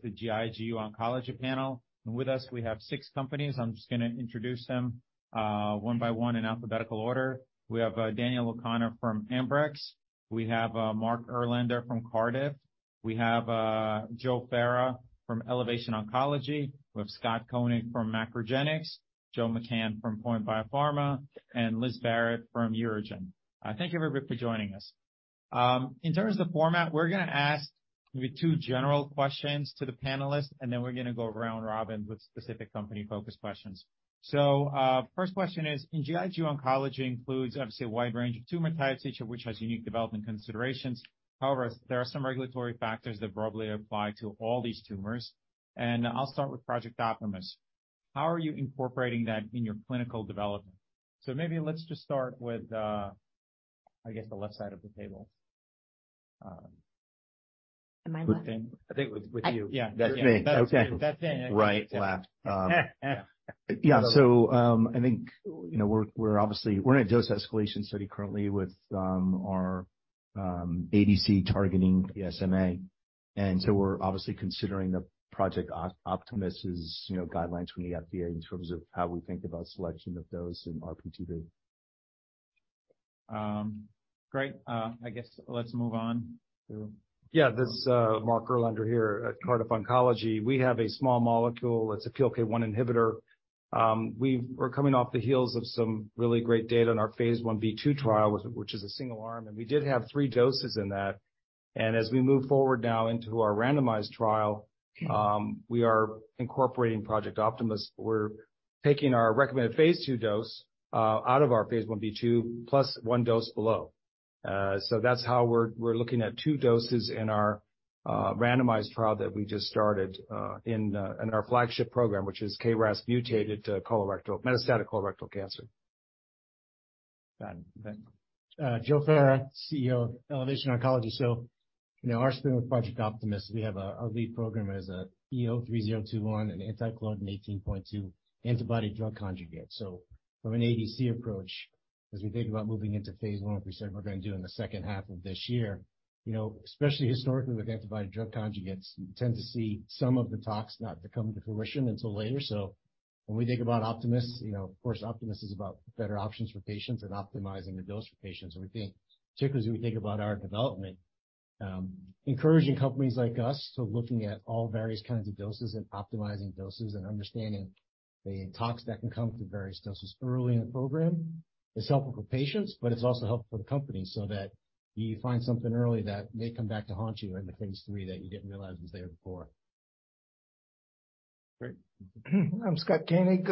Panel is the GI GU Oncology Panel. With us, we have six companies. I'm just gonna introduce them one by one in alphabetical order. We have Daniel O'Connor from Ambrx. We have Mark Erlander from Cardiff. We have Joseph Ferra from Elevation Oncology. We have Scott Koenig from MacroGenics, Joe McCann from POINT Biopharma, and Liz Barrett from UroGen. Thank you, everybody, for joining us. In terms of format, we're gonna ask maybe two general questions to the panelists, and then we're gonna go around Robin with specific company-focused questions. First question is, in GI GU Oncology includes, obviously, a wide range of tumor types, each of which has unique development considerations. However, there are some regulatory factors that broadly apply to all these tumors. I'll start with Project Optimus. How are you incorporating that in your clinical development? Maybe let's just start with, I guess, the left side of the table. My left. I think it was with you. Yeah. That's me. Okay. That's it. Right. Left. I think, you know, we're obviously in a dose-escalation study currently with our ADC targeting PSMA. We're obviously considering the Project Optimus, you know, guidelines from the FDA in terms of how we think about selection of those in RPTD. Great. I guess let's move on. Yeah, this is Mark Erlander here at Cardiff Oncology. We have a small molecule. It's a PLK1 inhibitor. We were coming off the heels of some really great data in our phase I-B/II trial, which is a single arm, and we did have three doses in that. As we move forward now into our randomized trial, we are incorporating Project Optimus. We're taking our recommended phase II dose out of our phase I-B/II +1 dose below. That's how we're looking at two doses in our randomized trial that we just started in our flagship program, which is KRAS mutated metastatic colorectal cancer. Got it. Okay. Joseph Ferra, CEO of Elevation Oncology. you know, our spin with Project Optimus, we have our lead program as a EO-3021, an anti-claudin 18.2 antibody-drug conjugate. From an ADC approach, as we think about moving into phase I, which we said we're gonna do in the second half of this year, you know, especially historically with antibody-drug conjugates, you tend to see some of the talks not to come to fruition until later. When we think about Optimus, you know, of course, Optimus is about better options for patients and optimizing the dose for patients. We think, particularly as we think about our development, encouraging companies like us to looking at all various kinds of doses and optimizing doses and understanding the tox that can come to various doses early in the program is helpful for patients, but it's also helpful for the company so that you find something early that may come back to haunt you in the phase III that you didn't realize was there before. Great. I'm Scott Koenig.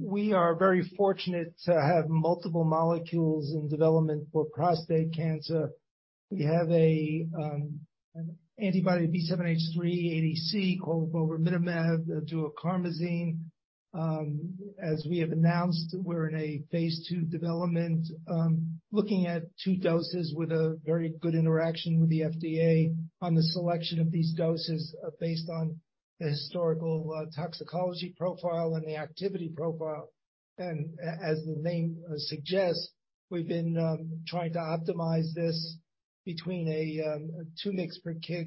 We are very fortunate to have multiple molecules in development for prostate cancer. We have an antibody B7-H3 ADC called vobramitamab duocarmazine. As we have announced, we're in a phase II development, looking at two doses with a very good interaction with the FDA on the selection of these doses based on the historical toxicology profile and the activity profile. As the name suggests, we've been trying to optimize this between a 2 mgs per kg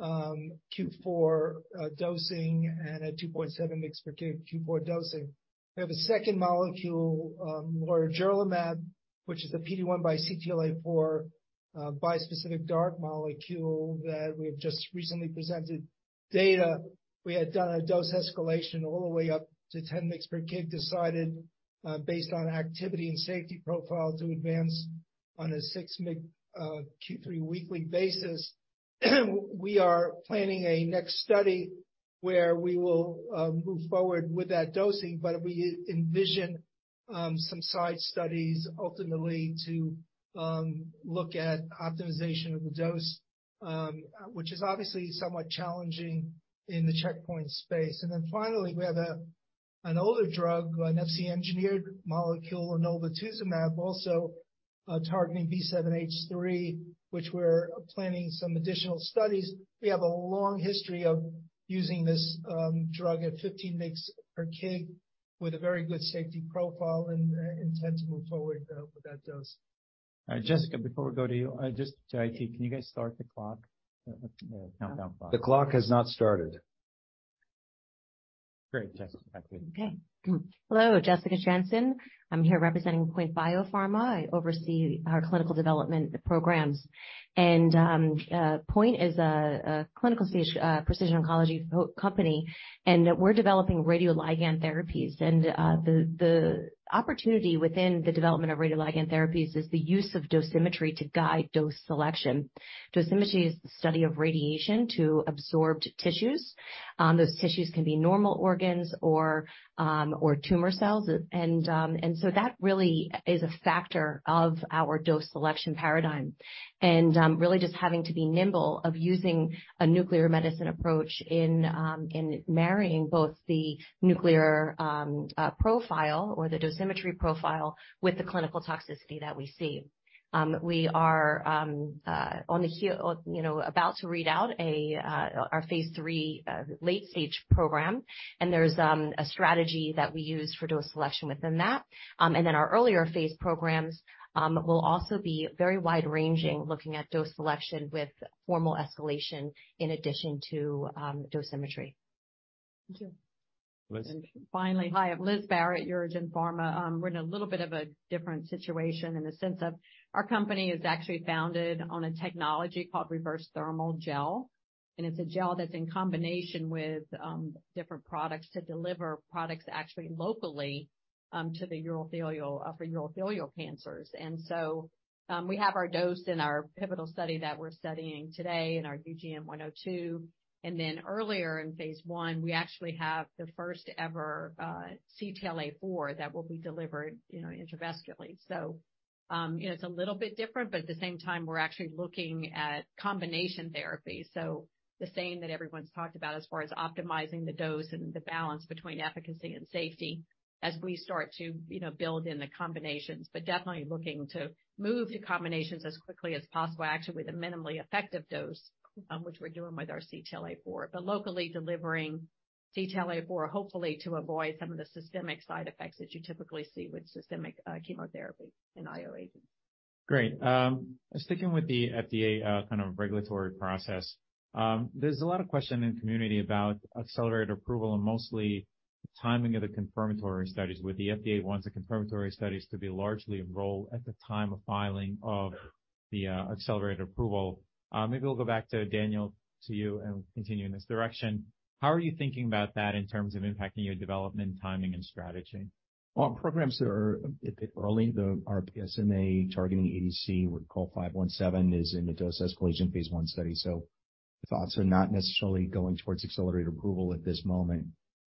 Q4 dosing and a 2.7 mgs per kg Q4 dosing. We have a second molecule, Lorigerlimab, which is a PD-1 by CTLA-4 bispecific DART molecule that we've just recently presented data. We had done a dose escalation all the way up to 10 mgs per kg, decided based on activity and safety profile to advance on a 6 mg Q3 weekly basis. We are planning a next study where we will move forward with that dosing. We envision some side studies ultimately to look at optimization of the dose, which is obviously somewhat challenging in the checkpoint space. Finally, we have an older drug, an Fc-engineered molecule, enoblituzumab, also targeting B7-H3, which we're planning some additional studies. We have a long history of using this drug at 15 mgs per kg with a very good safety profile and intend to move forward with that dose. All right, Jessica, before we go to you, just to IT, can you guys start the clock? The countdown clock. The clock has not started. Great. Jessica. Okay. Hello, Jessica Jensen. I'm here representing POINT Biopharma. I oversee our clinical development programs. POINT is a clinical stage precision oncology company, and we're developing radioligand therapies. The opportunity within the development of radioligand therapies is the use of dosimetry to guide dose selection. Dosimetry is the study of radiation to absorbed tissues. Those tissues can be normal organs or tumor cells. That really is a factor of our dose selection paradigm. Really just having to be nimble of using a nuclear medicine approach in marrying both the nuclear profile or the dosimetry profile with the clinical toxicity that we see. We are about to read out our phase III late stage program, and there's a strategy that we use for dose selection within that. Then our earlier phase programs will also be very wide-ranging, looking at dose selection with formal escalation in addition to dosimetry. Thank you. Liz. Finally. Hi, I'm Liz Barrett, UroGen Pharma. We're in a little bit of a different situation in the sense of our company is actually founded on a technology called reverse thermal gel, and it's a gel that's in combination with different products to deliver products actually locally to the urothelial for urothelial cancers. We have our dose in our pivotal study that we're studying today in our UGN-102. Earlier in phase I, we actually have the first ever CTLA-4 that will be delivered, you know, intravascularly. You know, it's a little bit different, but at the same time, we're actually looking at combination therapy. The saying that everyone's talked about as far as optimizing the dose and the balance between efficacy and safety as we start to, you know, build in the combinations. Definitely looking to move to combinations as quickly as possible, actually with a minimally effective dose, which we're doing with our CTLA-4. Locally delivering CTLA-4, hopefully to avoid some of the systemic side effects that you typically see with systemic chemotherapy and IO agents. Great. Sticking with the FDA, kind of regulatory process, there's a lot of question in community about accelerated approval and mostly timing of the confirmatory studies where the FDA wants the confirmatory studies to be largely enrolled at the time of filing of the accelerated approval. Maybe we'll go back to Daniel, to you, and continue in this direction. How are you thinking about that in terms of impacting your development timing and strategy? Well, programs that are a bit early, our PSMA targeting ADC, we call 517, is in the dose escalation phase I study, so thoughts are not necessarily going towards accelerated approval at this moment.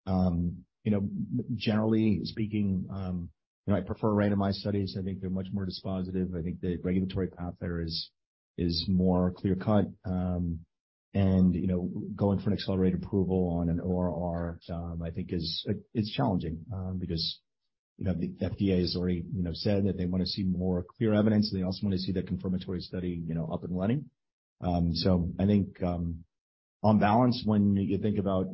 You know, generally speaking, you know, I prefer randomized studies. I think they're much more dispositive. I think the regulatory path there is more clear-cut. You know, going for an accelerated approval on an ORR, I think is, it's challenging, because, you know, the FDA has already, you know, said that they wanna see more clear evidence, and they also wanna see the confirmatory study, you know, up and running. I think, on balance, when you think about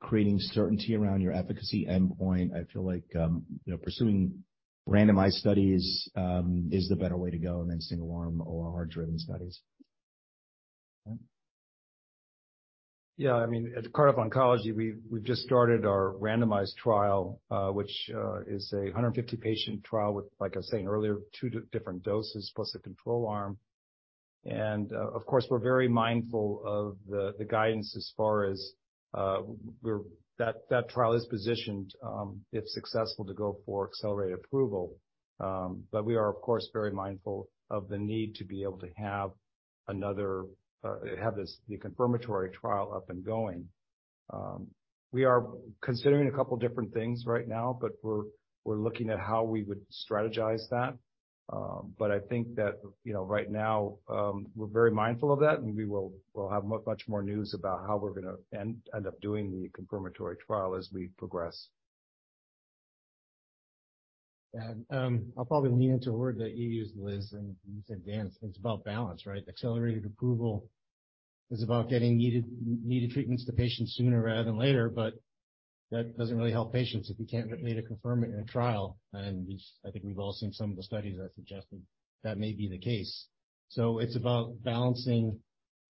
creating certainty around your efficacy endpoint, I feel like, you know, pursuing randomized studies, is the better way to go than single-arm ORR-driven studies. Brent? Yeah. I mean, at Cardiff Oncology, we've just started our randomized trial, which is a 150-patient trial with, like I was saying earlier, two different doses plus a control arm. Of course, we're very mindful of the guidance as far as that trial is positioned, if successful, to go for accelerated approval. We are, of course, very mindful of the need to be able to have another, the confirmatory trial up and going. We are considering a couple different things right now, we're looking at how we would strategize that. I think that, you know, right now, we're very mindful of that, and we'll have much more news about how we're gonna end up doing the confirmatory trial as we progress. I'll probably lean into a word that you used, Liz, and you said, Daniel, it's about balance, right? accelerated approval is about getting needed treatments to patients sooner rather than later, but that doesn't really help patients if you can't get data to confirm it in a trial, and I think we've all seen some of the studies that suggested that may be the case. It's about balancing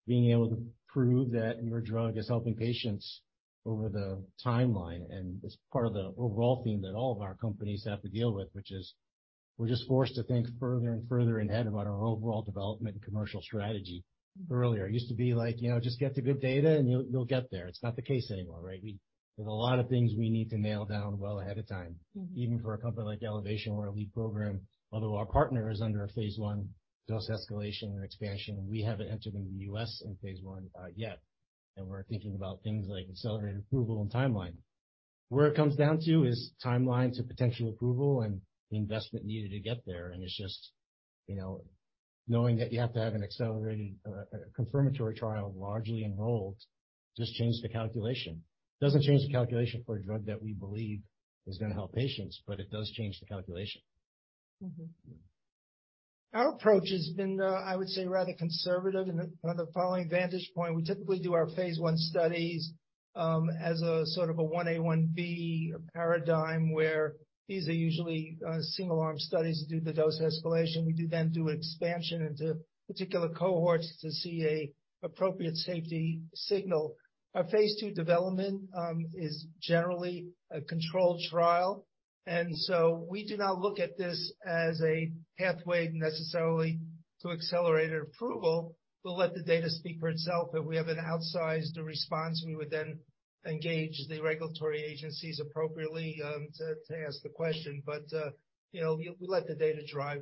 being able to prove that your drug is helping patients over the timeline, and it's part of the overall theme that all of our companies have to deal with, which is we're just forced to think further and further ahead about our overall development and commercial strategy. Earlier, it used to be like, you know, just get the good data, and you'll get there. It's not the case anymore, right? We have a lot of things we need to nail down well ahead of time. Even for a company like Elevation or a lead program, although our partner is under a phase I dose escalation or expansion, we haven't entered in the U.S. in phase I yet, and we're thinking about things like accelerated approval and timeline. Where it comes down to is timelines of potential approval and the investment needed to get there. It's just, you know, knowing that you have to have an accelerated, confirmatory trial largely enrolled just changed the calculation. Doesn't change the calculation for a drug that we believe is gonna help patients, but it does change the calculation. Our approach has been, I would say rather conservative on the following vantage point. We typically do our phase I studies, as a sort of a 1a/1b paradigm, where these are usually single-arm studies to do the dose escalation. We then do expansion into particular cohorts to see a appropriate safety signal. Our phase II development, is generally a controlled trial, we do not look at this as a pathway necessarily to accelerated approval. We'll let the data speak for itself. If we have an outsized response, we would then engage the regulatory agencies appropriately, to ask the question. You know, we let the data drive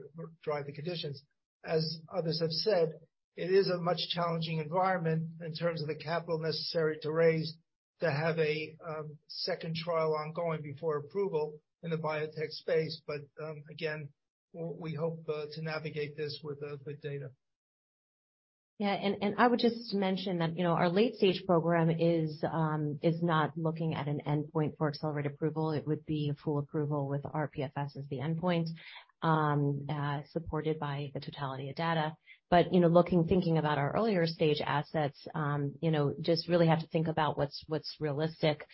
the conditions. As others have said, it is a much challenging environment in terms of the capital necessary to raise to have a, second trial ongoing before approval in the biotech space. Again, we hope to navigate this with data. Yeah, I would just mention that, you know, our late-stage program is not looking at an endpoint for accelerated approval. It would be a full approval with RPFS as the endpoint, supported by the totality of data. You know, looking, thinking about our earlier stage assets, you know, just really have to think about what's realistic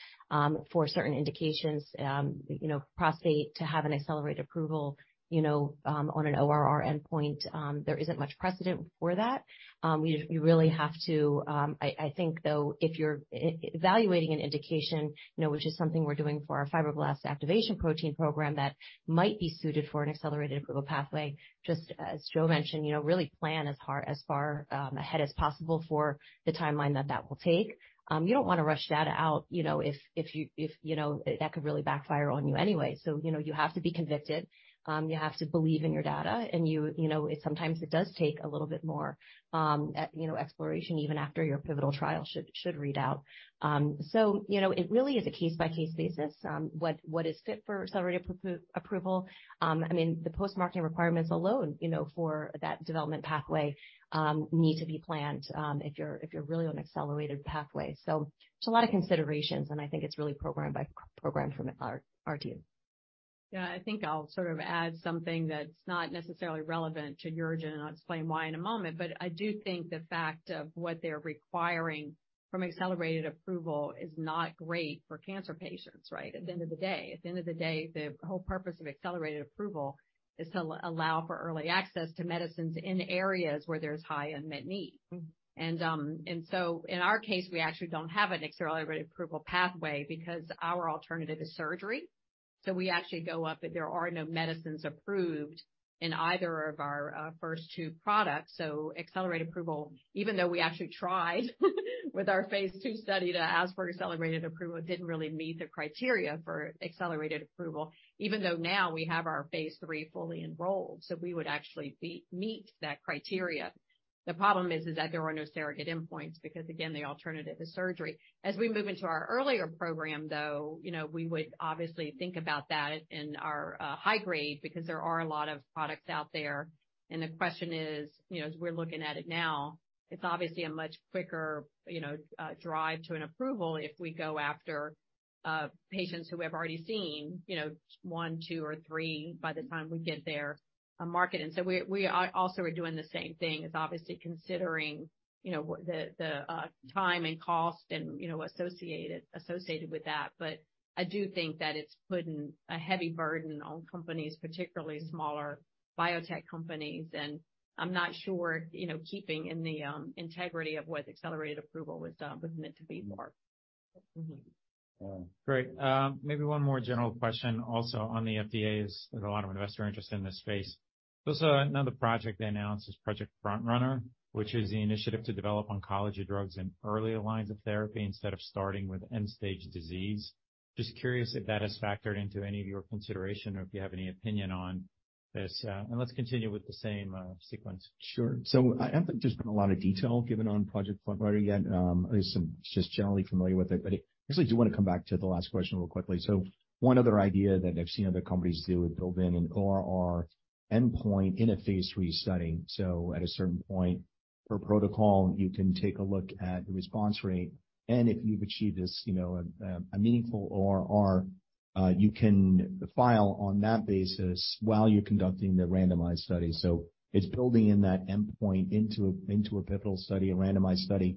for certain indications. You know, prostate to have an accelerated approval, you know, on an ORR endpoint, there isn't much precedent for that. You really have to. I think, though, if you're evaluating an indication, you know, which is something we're doing for our Fibroblast Activation Protein program that might be suited for an accelerated approval pathway, just as Joe mentioned, you know, really plan as far ahead as possible for the timeline that will take. You don't wanna rush data out, you know, if you know that could really backfire on you anyway. You know, you have to be convicted. You have to believe in your data, and you know, it sometimes it does take a little bit more, you know, exploration even after your pivotal trial should read out. You know, it really is a case-by-case basis, what is fit for accelerated approval. I mean, the post-marketing requirements alone, you know, for that development pathway, need to be planned, if you're really on an accelerated pathway. It's a lot of considerations, and I think it's really program by program from our team. Yeah. I think I'll sort of add something that's not necessarily relevant to UroGen, and I'll explain why in a moment. I do think the fact of what they're requiring from accelerated approval is not great for cancer patients, right? At the end of the day. At the end of the day, the whole purpose of accelerated approval is to allow for early access to medicines in areas where there's high unmet need. In our case, we actually don't have an accelerated approval pathway because our alternative is surgery. We actually go up, and there are no medicines approved in either of our first two products. Accelerated approval, even though we actually tried with our phase II study to ask for accelerated approval, didn't really meet the criteria for accelerated approval, even though now we have our phase III fully enrolled. We would actually meet that criteria. The problem is that there are no surrogate endpoints because, again, the alternative is surgery. As we move into our earlier program, though, you know, we would obviously think about that in our high-grade because there are a lot of products out there. The question is, you know, as we're looking at it now, it's obviously a much quicker, you know, drive to an approval if we go after patients who have already seen, you know, one, two, or three by the time we get there market. We are also doing the same thing is obviously considering, you know, the time and cost and, you know, associated with that. I do think that it's putting a heavy burden on companies, particularly smaller biotech companies. I'm not sure, you know, keeping in the integrity of what accelerated approval was meant to be for. Yeah. Great. Maybe one more general question also on the FDA is there's a lot of investor interest in this space. Another project they announced is Project FrontRunner, which is the initiative to develop oncology drugs in earlier lines of therapy instead of starting with end-stage disease. Just curious if that has factored into any of your consideration or if you have any opinion on this. Let's continue with the same sequence. Sure. I don't think there's been a lot of detail given on Project FrontRunner yet. At least I'm just generally familiar with it. I actually do wanna come back to the last question real quickly. One other idea that I've seen other companies do is build in an ORR endpoint in a phase III study. At a certain point per protocol, you can take a look at the response rate, and if you've achieved this, you know, a meaningful ORR, you can file on that basis while you're conducting the randomized study. It's building in that endpoint into a pivotal study, a randomized study.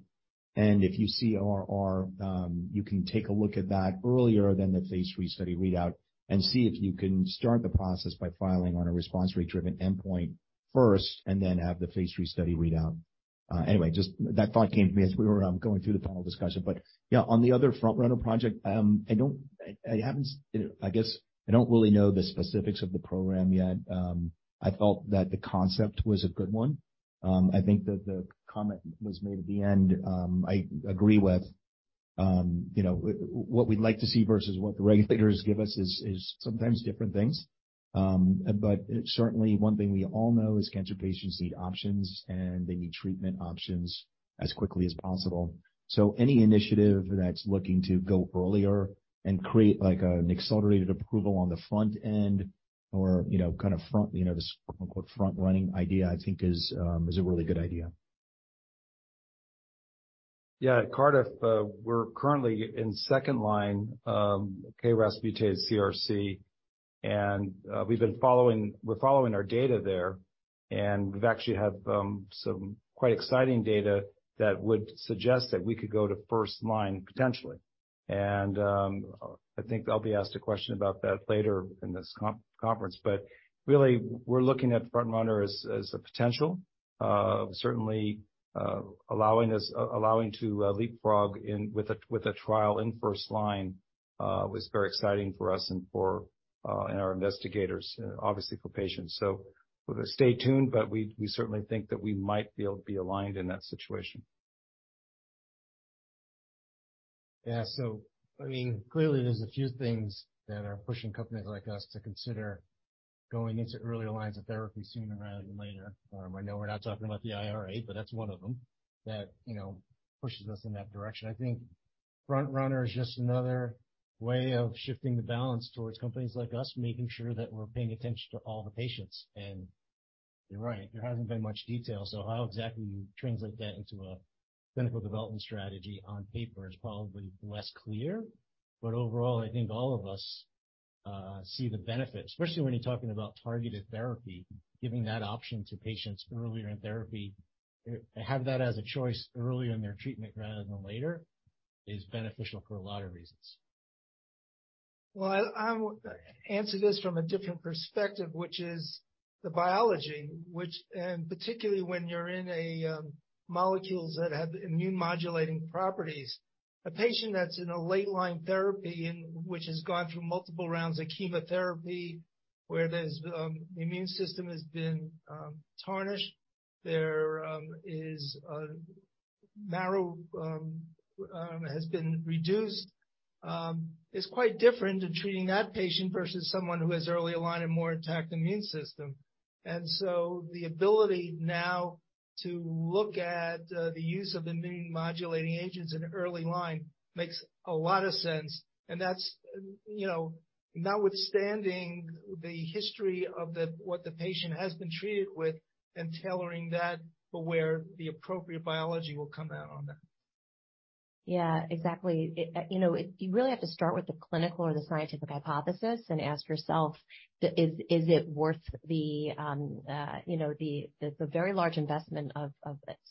If you see ORR, you can take a look at that earlier than the phase III study readout and see if you can start the process by filing on a response rate-driven endpoint first and then have the phase III study readout. Anyway, just that thought came to me as we were going through the panel discussion. Yeah, on the other Project FrontRunner, I don't I guess I don't really know the specifics of the program yet. I felt that the concept was a good one. I think that the comment was made at the end, I agree with. You know, what we'd like to see versus what the regulators give us is sometimes different things. Certainly one thing we all know is cancer patients need options, and they need treatment options as quickly as possible. Any initiative that's looking to go earlier and create like an accelerated approval on the front end or, you know, kind of front, you know, this quote-unquote front-running idea, I think is a really good idea. Yeah. At Cardiff, we're currently in second line KRAS mutant CRC, we're following our data there, and we've actually have some quite exciting data that would suggest that we could go to first line potentially. I think I'll be asked a question about that later in this conference. Really, we're looking at Front Runner as a potential. Certainly, allowing us to leapfrog in with a trial in first line was very exciting for us and for our investigators, obviously for patients. Stay tuned, we certainly think that we might be able to be aligned in that situation. I mean, clearly, there's a few things that are pushing companies like us to consider going into earlier lines of therapy sooner rather than later. I know we're not talking about the IRA, but that's one of them that, you know, pushes us in that direction. FrontRunner is another way of shifting the balance towards companies like us, making sure that we're paying attention to all the patients. You're right, there hasn't been much detail. How exactly you translate that into a clinical development strategy on paper is probably less clear. Overall, I think all of us see the benefit, especially when you're talking about targeted therapy, giving that option to patients earlier in therapy. To have that as a choice earlier in their treatment rather than later, is beneficial for a lot of reasons. I'm answer this from a different perspective, which is the biology, and particularly when you're in a molecules that have immune modulating properties. A patient that's in a late line therapy and which has gone through multiple rounds of chemotherapy, where there's the immune system has been tarnished. There is a marrow has been reduced, is quite different in treating that patient versus someone who has early line and more intact immune system. The ability now to look at the use of immune modulating agents in early line makes a lot of sense. That's, you know, notwithstanding the history of what the patient has been treated with and tailoring that for where the appropriate biology will come out on that. Yeah, exactly. You know, you really have to start with the clinical or the scientific hypothesis and ask yourself, is it worth the, you know, the very large investment of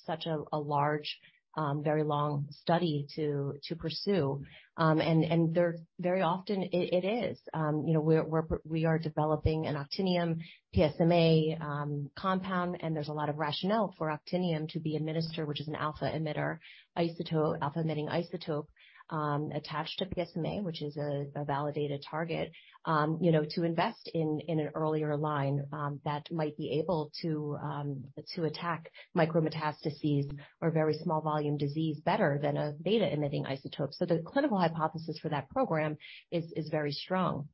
such a large, very long study to pursue? Very often it is. You know, we are developing an actinium PSMA compound, and there's a lot of rationale for actinium to be administered, which is an alpha-emitter isotope, attached to PSMA, which is a validated target, you know, to invest in an earlier line that might be able to attack micrometastases or very small volume disease better than a beta-emitting isotope. The clinical hypothesis for that program is very strong.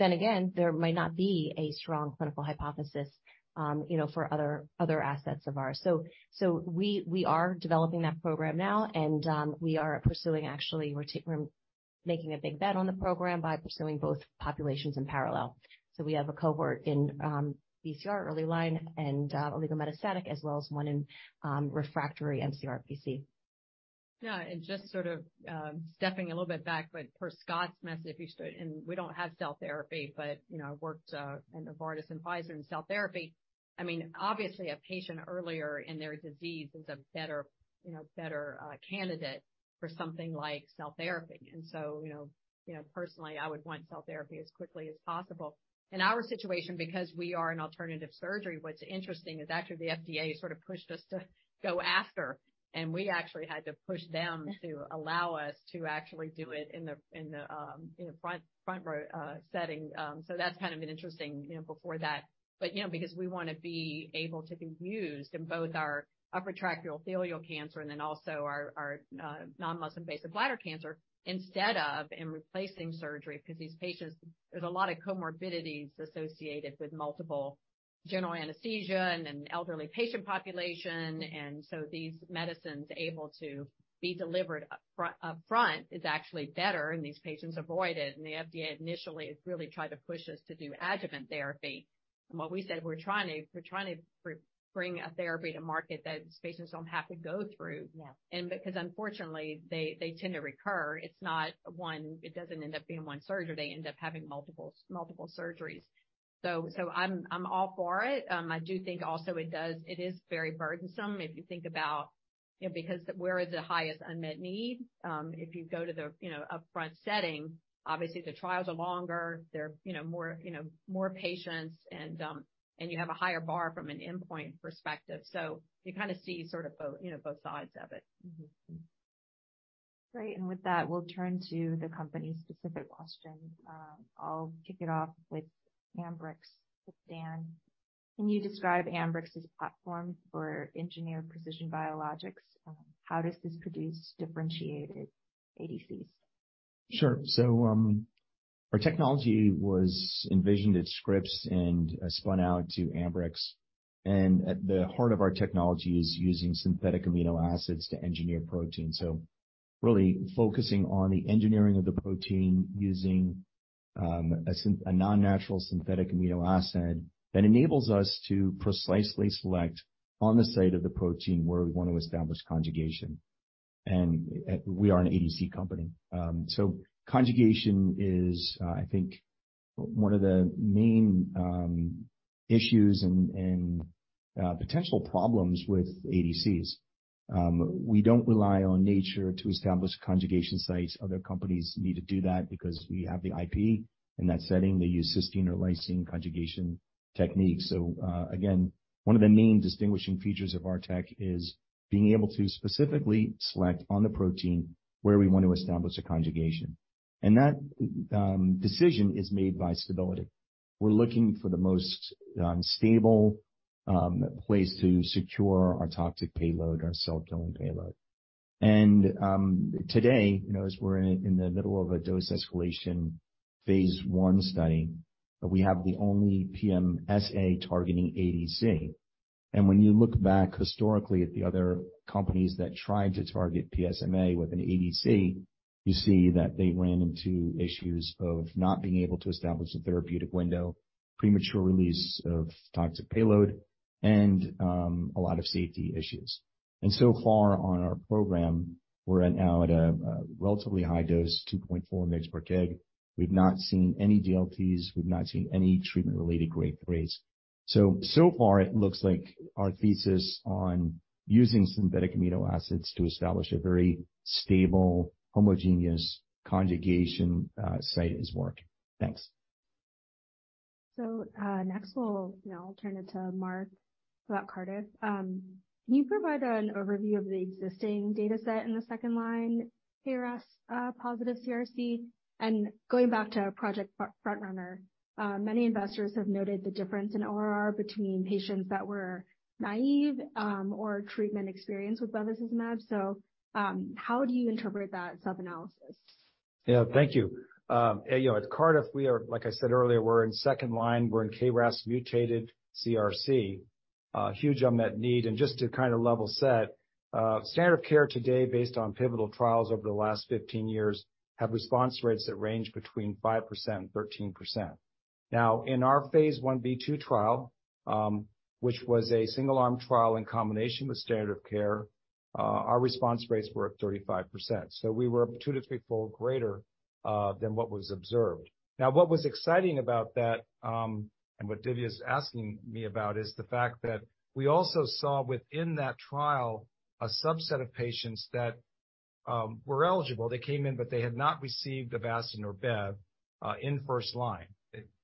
Again, there might not be a strong clinical hypothesis, you know, for other assets of ours. We are developing that program now and we are pursuing actually, we're making a big bet on the program by pursuing both populations in parallel. We have a cohort in BCR early line and oligometastatic as well as one in refractory mCRPC. Yeah. Just sort of, stepping a little bit back, but per Scott's message, if you stood and we don't have cell therapy, but, you know, I worked in Novartis and Pfizer in cell therapy. I mean, obviously, a patient earlier in their disease is a better, you know, better candidate for something like cell therapy. You know, personally, I would want cell therapy as quickly as possible. In our situation, because we are an alternative surgery, what's interesting is actually the FDA sort of pushed us to go after, and we actually had to push them to allow us to actually do it in the, in a front row, setting. That's kind of an interesting, you know, before that. You know, because we wanna be able to be used in both our upper tract urothelial cancer and then also our non-muscle invasive bladder cancer instead of and replacing surgery because these patients, there's a lot of comorbidities associated with multiple general anesthesia and an elderly patient population. These medicines able to be delivered up front, up front is actually better and these patients avoid it. The FDA initially really tried to push us to do adjuvant therapy. What we said, we're trying to bring a therapy to market that patients don't have to go through. Yeah. Because unfortunately, they tend to recur. It doesn't end up being one surgery. They end up having multiple surgeries. I'm all for it. I do think also it is very burdensome if you think about, you know, because where is the highest unmet need? If you go to the, you know, upfront setting, obviously the trials are longer, they're, you know, more, you know, more patients and you have a higher bar from an endpoint perspective. You kinda see sort of, you know, both sides of it. Great. With that, we'll turn to the company's specific question. I'll kick it off with Ambrx, with Dan. Can you describe Ambrx's platform for Engineered Precision Biologics? How does this produce differentiated ADCs? Sure. Our technology was envisioned at Scripps and spun out to Ambrx. At the heart of our technology is using synthetic amino acids to engineer protein. Really focusing on the engineering of the protein using a non-natural synthetic amino acid that enables us to precisely select on the site of the protein where we want to establish conjugation. We are an ADC company. Conjugation is, I think one of the main issues and potential problems with ADCs. We don't rely on nature to establish conjugation sites. Other companies need to do that because we have the IP. In that setting, they use cysteine or lysine conjugation techniques. Again, one of the main distinguishing features of our tech is being able to specifically select on the protein where we want to establish a conjugation. That decision is made by stability. We're looking for the most stable place to secure our toxic payload, our cell killing payload. Today, you know, as we're in the middle of a dose escalation phase I study, we have the only PSMA targeting ADC. When you look back historically at the other companies that tried to target PSMA with an ADC, you see that they ran into issues of not being able to establish a therapeutic window, premature release of toxic payload, and a lot of safety issues. So far on our program, we're now at a relatively high dose, 2.4 mgs per kg. We've not seen any DLTs, we've not seen any treatment-related grade threes. So far it looks like our thesis on using synthetic amino acids to establish a very stable homogeneous conjugation site is working. Thanks. Next we'll, you know, turn it to Mark about Cardiff. Can you provide an overview of the existing data set in the second-line KRAS positive CRC? Going back to Project FrontRunner, many investors have noted the difference in ORR between patients that were naive, or treatment experienced with bevacizumab. How do you interpret that sub-analysis? Yeah. Thank you. You know, at Cardiff, we are like I said earlier, we're in second line, we're in KRAS mutated CRC, huge unmet need. Just to kind of level set, standard of care today based on pivotal trials over the last 15 years have response rates that range between 5% and 13%. Now, in our phase I-B/II trial, which was a single-arm trial in combination with standard of care, our response rates were at 35%, so we were two to threefold greater than what was observed. Now, what was exciting about that, what Divya's asking me about, is the fact that we also saw within that trial a subset of patients that were eligible. They came in, they had not received Avastin or Bev in first line.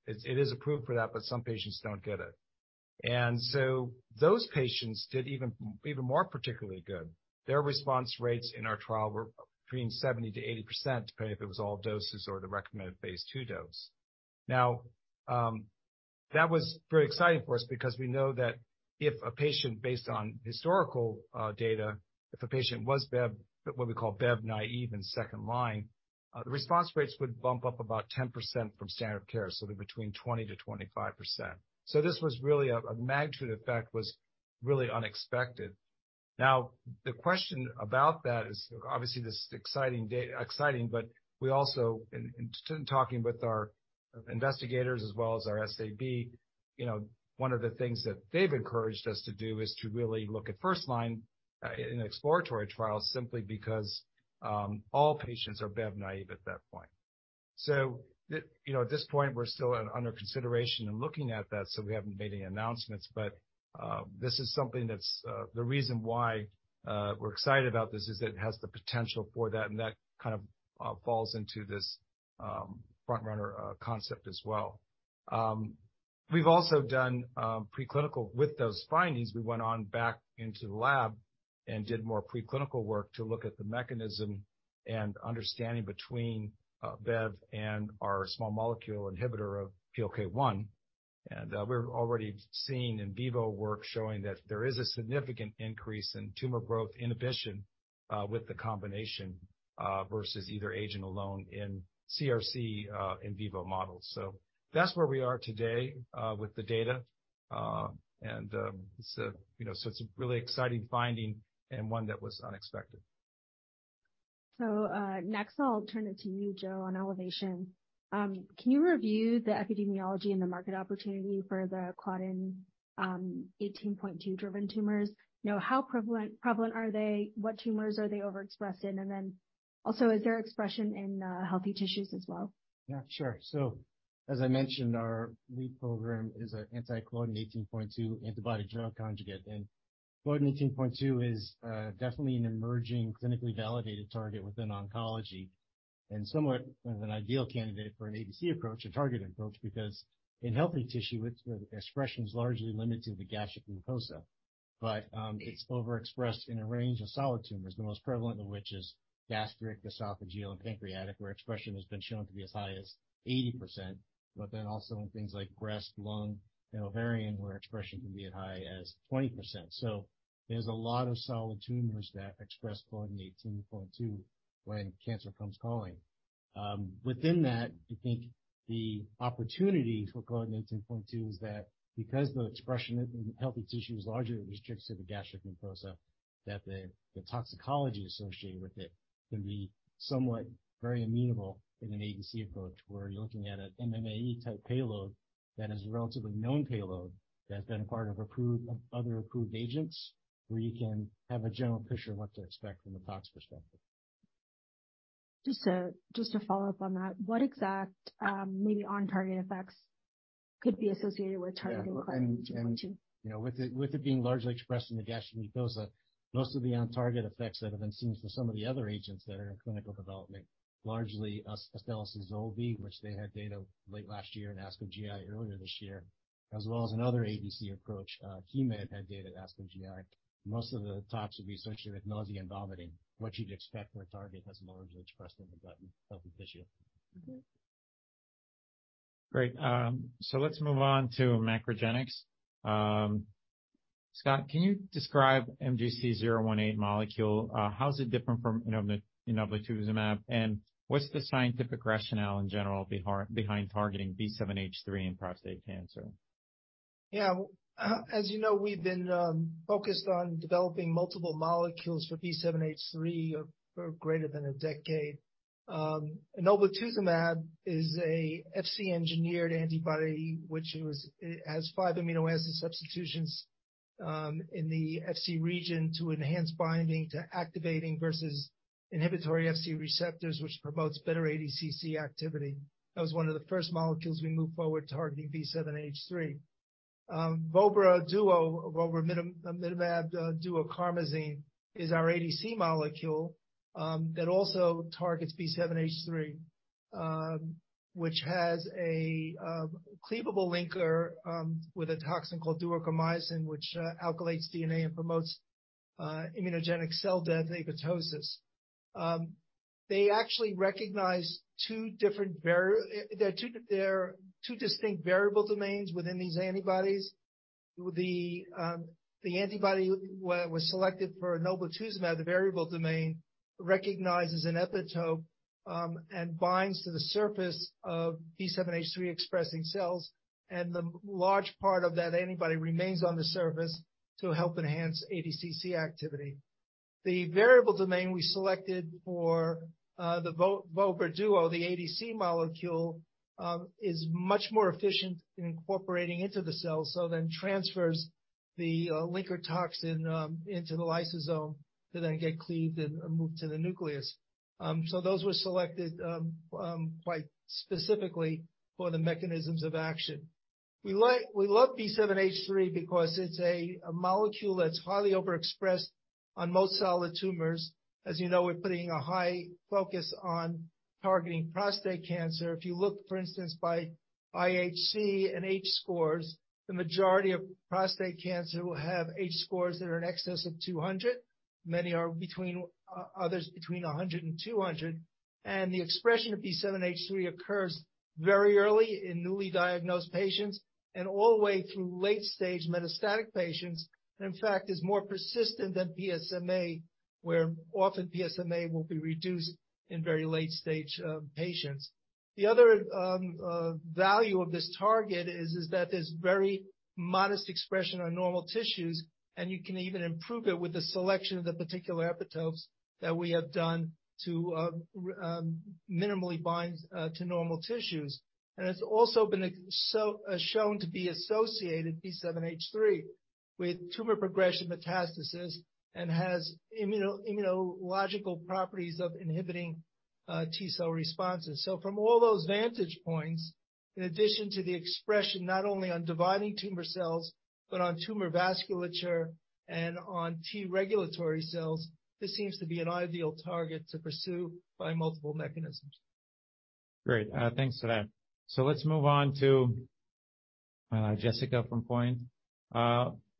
It is approved for that, but some patients don't get it. Those patients did even more particularly good. Their response rates in our trial were between 70% to 80%, depending if it was all doses or the recommended phase II dose. Now, that was very exciting for us because we know that if a patient, based on historical data, if a patient was Bev, what we call Bev naive in second line, the response rates would bump up about 10% from standard of care, so they're between 20% to 25%. This was really a magnitude effect, was really unexpected. The question about that is obviously this exciting, but we also in talking with our investigators as well as our SAB, you know, one of the things that they've encouraged us to do is to really look at first line in exploratory trials, simply because all patients are Bev naive at that point. You know, at this point, we're still under consideration and looking at that, so we haven't made any announcements. This is something that's the reason why we're excited about this, is it has the potential for that, and that kind of falls into this front-runner concept as well. We've also done preclinical with those findings. We went on back into the lab and did more preclinical work to look at the mechanism and understanding between Bev and our small molecule inhibitor of PLK1. We're already seeing in vivo work showing that there is a significant increase in tumor growth inhibition with the combination versus either agent alone in CRC in vivo models. That's where we are today with the data. It's a, you know, really exciting finding and one that was unexpected. Next I'll turn it to you, Joe, on Elevation. Can you review the epidemiology and the market opportunity for the Claudin 18.2 driven tumors? You know, how prevalent are they? What tumors are they overexpressed in? Is there expression in healthy tissues as well? Yeah, sure. As I mentioned, our lead program is a anti-Claudin 18.2 antibody drug conjugate. Claudin 18.2 is definitely an emerging clinically validated target within oncology and somewhat of an ideal candidate for an ADC approach, a targeted approach, because in healthy tissue its expression is largely limited to the gastric mucosa. It's overexpressed in a range of solid tumors, the most prevalent of which is gastric, esophageal, and pancreatic, where expression has been shown to be as high as 80%, but then also in things like breast, lung, and ovarian, where expression can be as high as 20%. There's a lot of solid tumors that express Claudin 18.2 when cancer comes calling. Within that, I think the opportunity for Claudin 18.2 is that because the expression in healthy tissue is largely restricted to the gastric mucosa, that the toxicology associated with it can be somewhat very amenable in an ADC approach, where you're looking at an MMAE type payload that is a relatively known payload that has been part of approved, other approved agents where you can have a general picture of what to expect from the tox perspective. Just to follow up on that, what exact, maybe on-target effects could be associated with targeting Claudin 18.2? Yeah. You know, with it being largely expressed in the gastric mucosa, most of the on-target effects that have been seen for some of the other agents that are in clinical development, largely us, Astellas' zolbetuximab, which they had data late last year in ASCO GI earlier this year, as well as another ADC approach, keynote had data at ASCO GI. Most of the tox would be associated with nausea and vomiting, what you'd expect for a target that's largely expressed in the gut and healthy tissue. Great. Let's move on to MacroGenics. Scott, can you describe MGC018 molecule? How is it different from inotuzumab? What's the scientific rationale in general behind targeting B7-H3 in prostate cancer? Yeah. As you know, we've been focused on developing multiple molecules for B7-H3 for greater than a decade. Enoblituzumab is a Fc-engineered antibody, which was has five amino acid substitutions in the Fc region to enhance binding to activating versus inhibitory Fc receptors, which promotes better ADCC activity. That was one of the first molecules we moved forward targeting B7-H3. Vobramitamab duocarmazine is our ADC molecule that also targets B7-H3, which has a cleavable linker with a toxin called duocarmazine, which alkylates DNA and promotes immunogenic cell death and apoptosis. There are two distinct variable domains within these antibodies. The antibody was selected for enoblituzumab, the variable domain, recognizes an epitope and binds to the surface of B7-H3 expressing cells, the large part of that antibody remains on the surface to help enhance ADCC activity. The variable domain we selected for vobra duo, the ADC molecule, is much more efficient in incorporating into the cell, transfers the linker toxin into the lysosome to then get cleaved and moved to the nucleus. Those were selected quite specifically for the mechanisms of action. We love B7-H3 because it's a molecule that's highly overexpressed on most solid tumors. As you know, we're putting a high focus on targeting prostate cancer. If you look, for instance, by IHC and H scores, the majority of prostate cancer will have H scores that are in excess of 200. Many others between 100 and 200. The expression of B7-H3 occurs very early in newly diagnosed patients and all the way through late stage metastatic patients, and in fact, is more persistent than PSMA, where often PSMA will be reduced in very late stage patients. The other value of this target is that there's very modest expression on normal tissues, and you can even improve it with the selection of the particular epitopes that we have done to minimally bind to normal tissues. It's also been shown to be associated, B7-H3, with tumor progression metastasis and has immunological properties of inhibiting T-cell responses. From all those vantage points, in addition to the expression not only on dividing tumor cells, but on tumor vasculature and on T-regulatory cells, this seems to be an ideal target to pursue by multiple mechanisms. Great. Thanks for that. Let's move on to Jessica from POINT.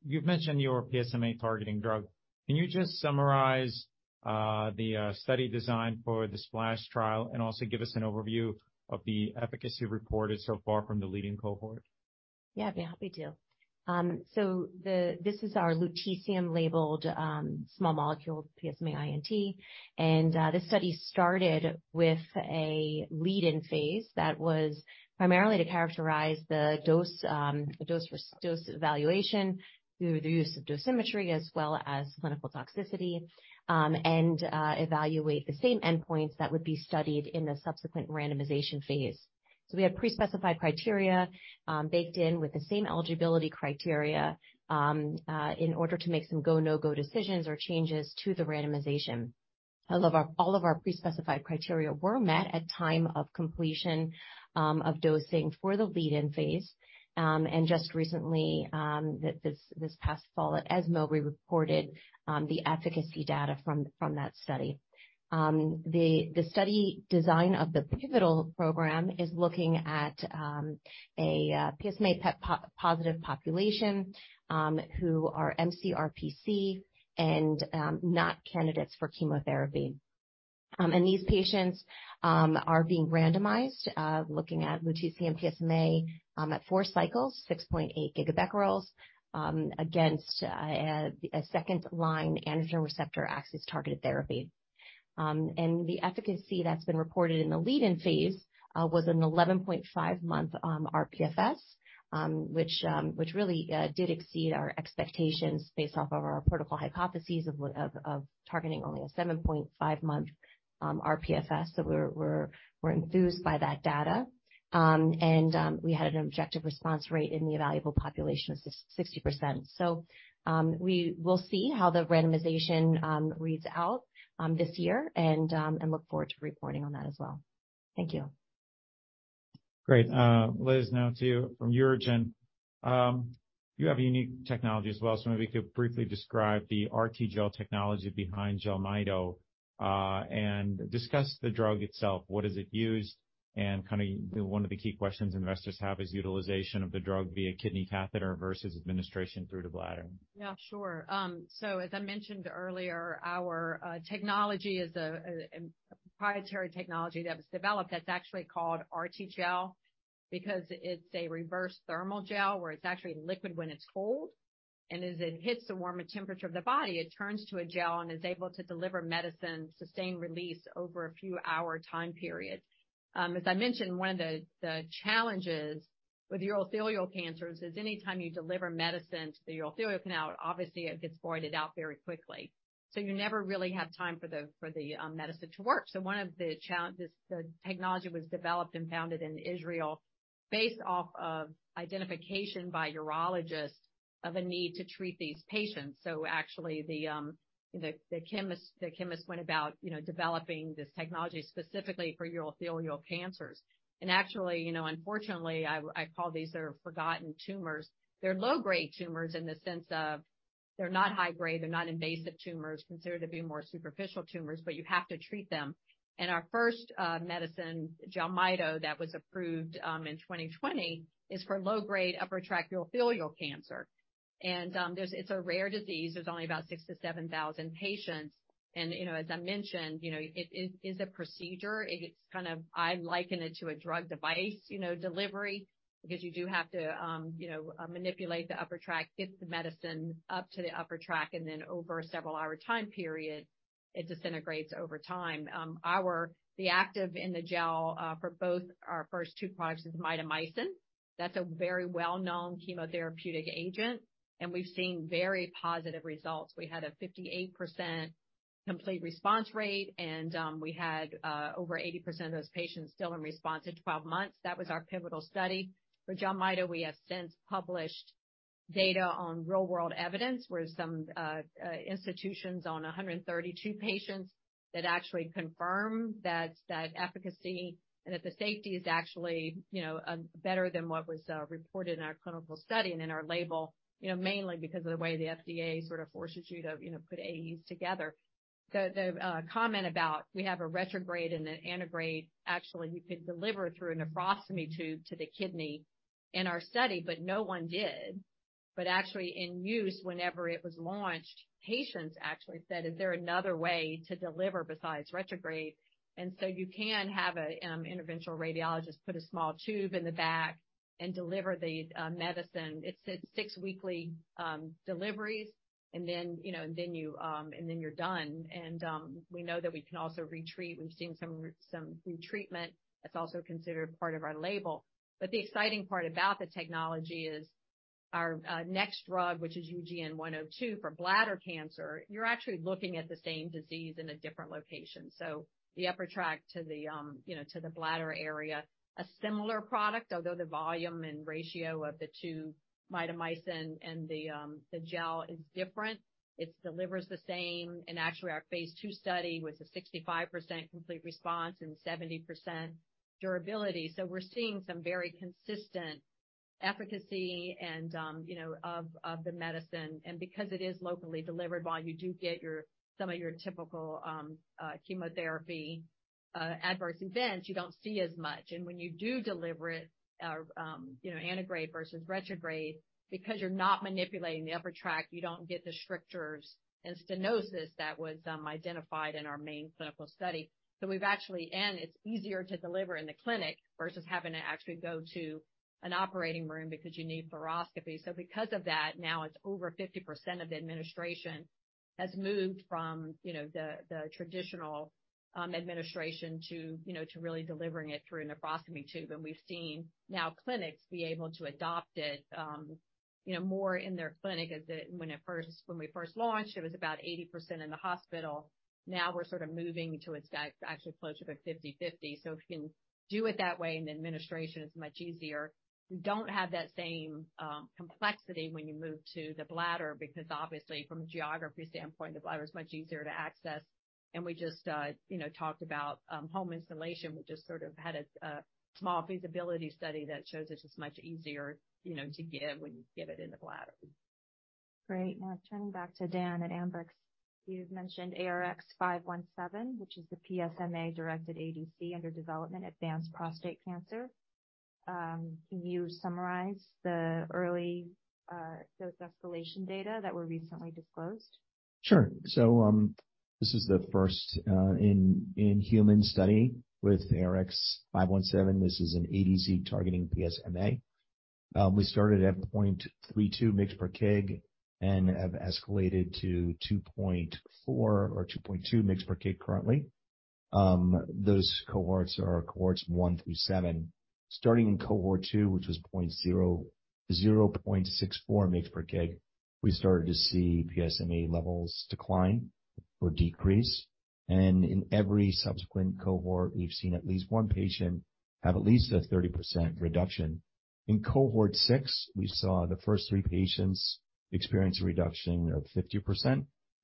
You've mentioned your PSMA-targeting drug. Can you just summarize the study design for the SPLASH trial and also give us an overview of the efficacy reported so far from the leading cohort? Yeah, I'd be happy to. This is our lutetium labeled small molecule PSMA-I&T. This study started with a lead-in phase that was primarily to characterize the dose evaluation through the use of dosimetry as well as clinical toxicity, and evaluate the same endpoints that would be studied in the subsequent randomization phase. We had pre-specified criteria baked in with the same eligibility criteria in order to make some go, no-go decisions or changes to the randomization. All of our pre-specified criteria were met at time of completion of dosing for the lead-in phase. Just recently, this past fall at ESMO, we reported the efficacy data from that study. The study design of the pivotal program is looking at a PSMA PET-positive population who are mCRPC and not candidates for chemotherapy. These patients are being randomized, looking at lutetium PSMA at 4 cycles, 6.8 GBq against a second-line androgen receptor axis-targeted therapy. The efficacy that's been reported in the lead-in phase was an 11.5-month RPFS, which really did exceed our expectations based off of our protocol hypotheses of targeting only a 7.5-month RPFS. We're enthused by that data. We had an objective response rate in the evaluable population of 60%. We will see how the randomization reads out this year and look forward to reporting on that as well. Thank you. Great. Liz, now to you from UroGen. You have a unique technology as well. Maybe you could briefly describe the RTGel technology behind Jelmyto, and discuss the drug itself? What is it used? One of the key questions investors have is utilization of the drug via kidney catheter versus administration through the bladder. Yeah, sure. As I mentioned earlier, our technology is a proprietary technology that was developed that's actually called RTGel because it's a reverse thermal gel where it's actually liquid when it's cold. And as it hits the warmer temperature of the body, it turns to a gel and is able to deliver medicine, sustained release over a few hour time period. As I mentioned, one of the challenges with urothelial cancers is anytime you deliver medicine to the urothelial canal, obviously it gets voided out very quickly. You never really have time for the medicine to work. The technology was developed and founded in Israel based off of identification by urologists of a need to treat these patients. Actually the chemist went about, you know, developing this technology specifically for urothelial cancers. Actually, you know, unfortunately, I call these their forgotten tumors. They're low-grade tumors in the sense of they're not high-grade, they're not invasive tumors, considered to be more superficial tumors, but you have to treat them. Our first medicine, Jelmyto, that was approved in 2020, is for low-grade upper tract urothelial cancer. It's a rare disease. There's only about 6,000 to 7,000 patients. You know, as I mentioned, you know, it is, it's a procedure. I liken it to a drug device, you know, delivery, because you do have to, you know, manipulate the upper tract, get the medicine up to the upper tract, and then over a several hour time period, it disintegrates over time. The active in the gel for both our first two products is mitomycin. That's a very well-known chemotherapeutic agent, and we've seen very positive results. We had a 58% complete response rate, and we had over 80% of those patients still in response at 12 months. That was our pivotal study. For Jelmyto, we have since published data on real-world evidence, where some institutions on 132 patients that actually confirm that efficacy and that the safety is actually, you know, better than what was reported in our clinical study and in our label, you know, mainly because of the way the FDA sort of forces you to, you know, put AEs together. The comment about we have a retrograde and an antegrade, actually, you could deliver through a nephrostomy tube to the kidney in our study, no one did. Actually in use, whenever it was launched, patients actually said, "Is there another way to deliver besides retrograde?" You can have a interventional radiologist put a small tube in the back and deliver the medicine. It's a six weekly deliveries, and then, you know, and then you're done. We know that we can also retreat. We've seen some retreatment that's also considered part of our label. The exciting part about the technology is our next drug, which is UGN-102 for bladder cancer. You're actually looking at the same disease in a different location. The upper tract to the, you know, to the bladder area, a similar product, although the volume and ratio of the two mitomycin and the gel is different. It delivers the same. Actually, our phase II study was a 65% complete response and 70% durability. We're seeing some very consistent efficacy and, you know, of the medicine. Because it is locally delivered, while you do get your, some of your typical, chemotherapy adverse events, you don't see as much. When you do deliver it, you know, antegrade versus retrograde, because you're not manipulating the upper tract, you don't get the strictures and stenosis that was identified in our main clinical study. We've actually. It's easier to deliver in the clinic versus having to actually go to an operating room because you need baroscopy. Because of that, now it's over 50% of the administration has moved from, you know, the traditional administration to, you know, to really delivering it through a nephrostomy tube. We've seen now clinics be able to adopt it, you know, more in their clinic when we first launched, it was about 80% in the hospital. Now we're sort of moving to it's actually closer to 50/50. If you can do it that way, and the administration is much easier. We don't have that same complexity when you move to the bladder because obviously from a geography standpoint, the bladder is much easier to access. We just, you know, talked about home installation. We just sort of had a small feasibility study that shows it's just much easier, you know, to give when you give it in the bladder. Great. Now turning back to Dan at Ambrx. You've mentioned ARX517, which is the PSMA-directed ADC under development, advanced prostate cancer. Can you summarize the early dose escalation data that were recently disclosed? Sure. This is the first in human study with ARX517. This is an ADC targeting PSMA. We started at 0.32 mg/kg and have escalated to 2.4 or 2.2 mg/kg currently. Those cohorts are cohorts one through seven. Starting in cohort two, which was 0.64 mg/kg, we started to see PSMA levels decline or decrease. In every subsequent cohort, we've seen at least one patient have at least a 30% reduction. In cohort six we saw the first three patients experience a reduction of 50%,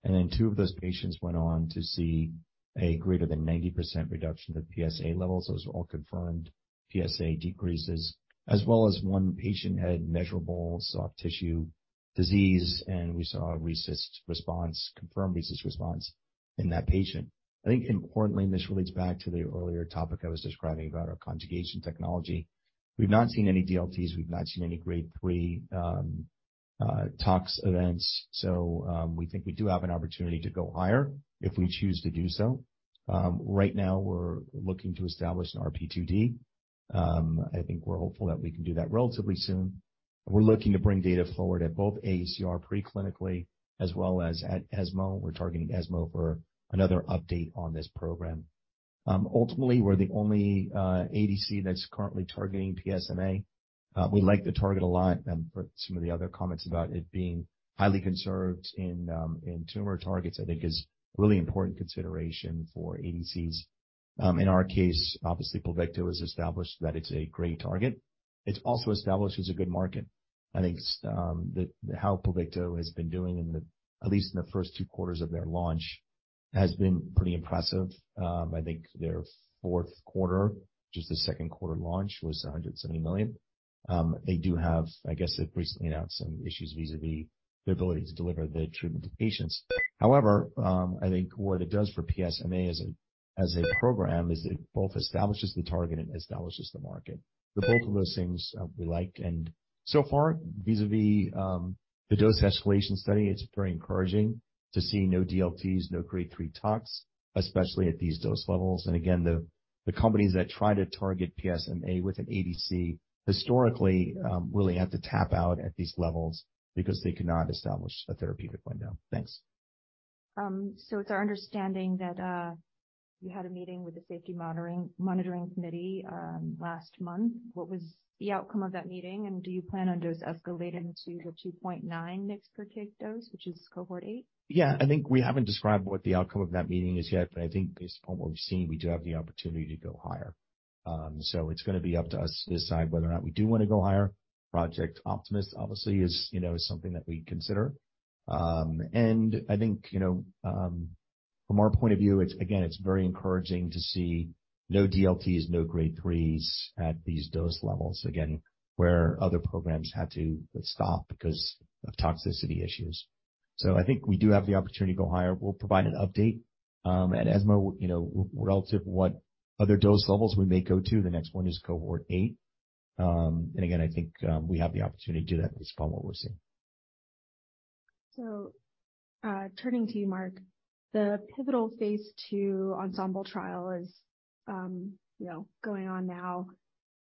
and then two of those patients went on to see a greater than 90% reduction in the PSA levels. Those were all confirmed PSA decreases, as well as one patient had measurable soft tissue disease, and we saw a RECIST response, confirmed RECIST response in that patient. I think importantly, and this relates back to the earlier topic I was describing about our conjugation technology. We've not seen any DLTs. We've not seen any grade three tox events. We think we do have an opportunity to go higher if we choose to do so. Right now we're looking to establish an RP2D. I think we're hopeful that we can do that relatively soon. We're looking to bring data forward at both AACR pre-clinically as well as at ESMO. We're targeting ESMO for another update on this program. Ultimately, we're the only ADC that's currently targeting PSMA. We like to target a lot, for some of the other comments about it being highly conserved in tumor targets, I think is really important consideration for ADCs. In our case, obviously, Pluvicto has established that it's a great target. It's also established as a good market. I think that how Pluvicto has been doing in the, at least in the first two quarters of their launch has been pretty impressive. I think their fourth quarter, just the second quarter launch, was $170 million. They do have, I guess, they've recently announced some issues vis-à-vis their ability to deliver the treatment to patients. However, I think what it does for PSMA as a program is it both establishes the target and establishes the market. Both of those things, we like. So far, vis-à-vis the dose escalation study, it's very encouraging to see no DLTs, no grade three tox, especially at these dose levels. Again, the companies that try to target PSMA with an ADC historically really have to tap out at these levels because they could not establish a therapeutic window. Thanks. It's our understanding that you had a meeting with the safety monitoring committee last month. What was the outcome of that meeting? Do you plan on dose escalating to the 2.9 megs/kg dose, which is cohort eight? Yeah. I think we haven't described what the outcome of that meeting is yet, but I think based upon what we've seen, we do have the opportunity to go higher. It's gonna be up to us to decide whether or not we do wanna go higher. Project Optimus, obviously, is, you know, is something that we'd consider. I think, you know, from our point of view, it's again, it's very encouraging to see no DLTs, no grade threes at these dose levels, again, where other programs had to stop because of toxicity issues. I think we do have the opportunity to go higher. We'll provide an update at ESMO, you know, relative what other dose levels we may go to. The next one is cohort eight. Again, I think, we have the opportunity to do that based upon what we're seeing. Turning to you, Mark, the pivotal phase II ENSEMBLE trial is, you know, going on now.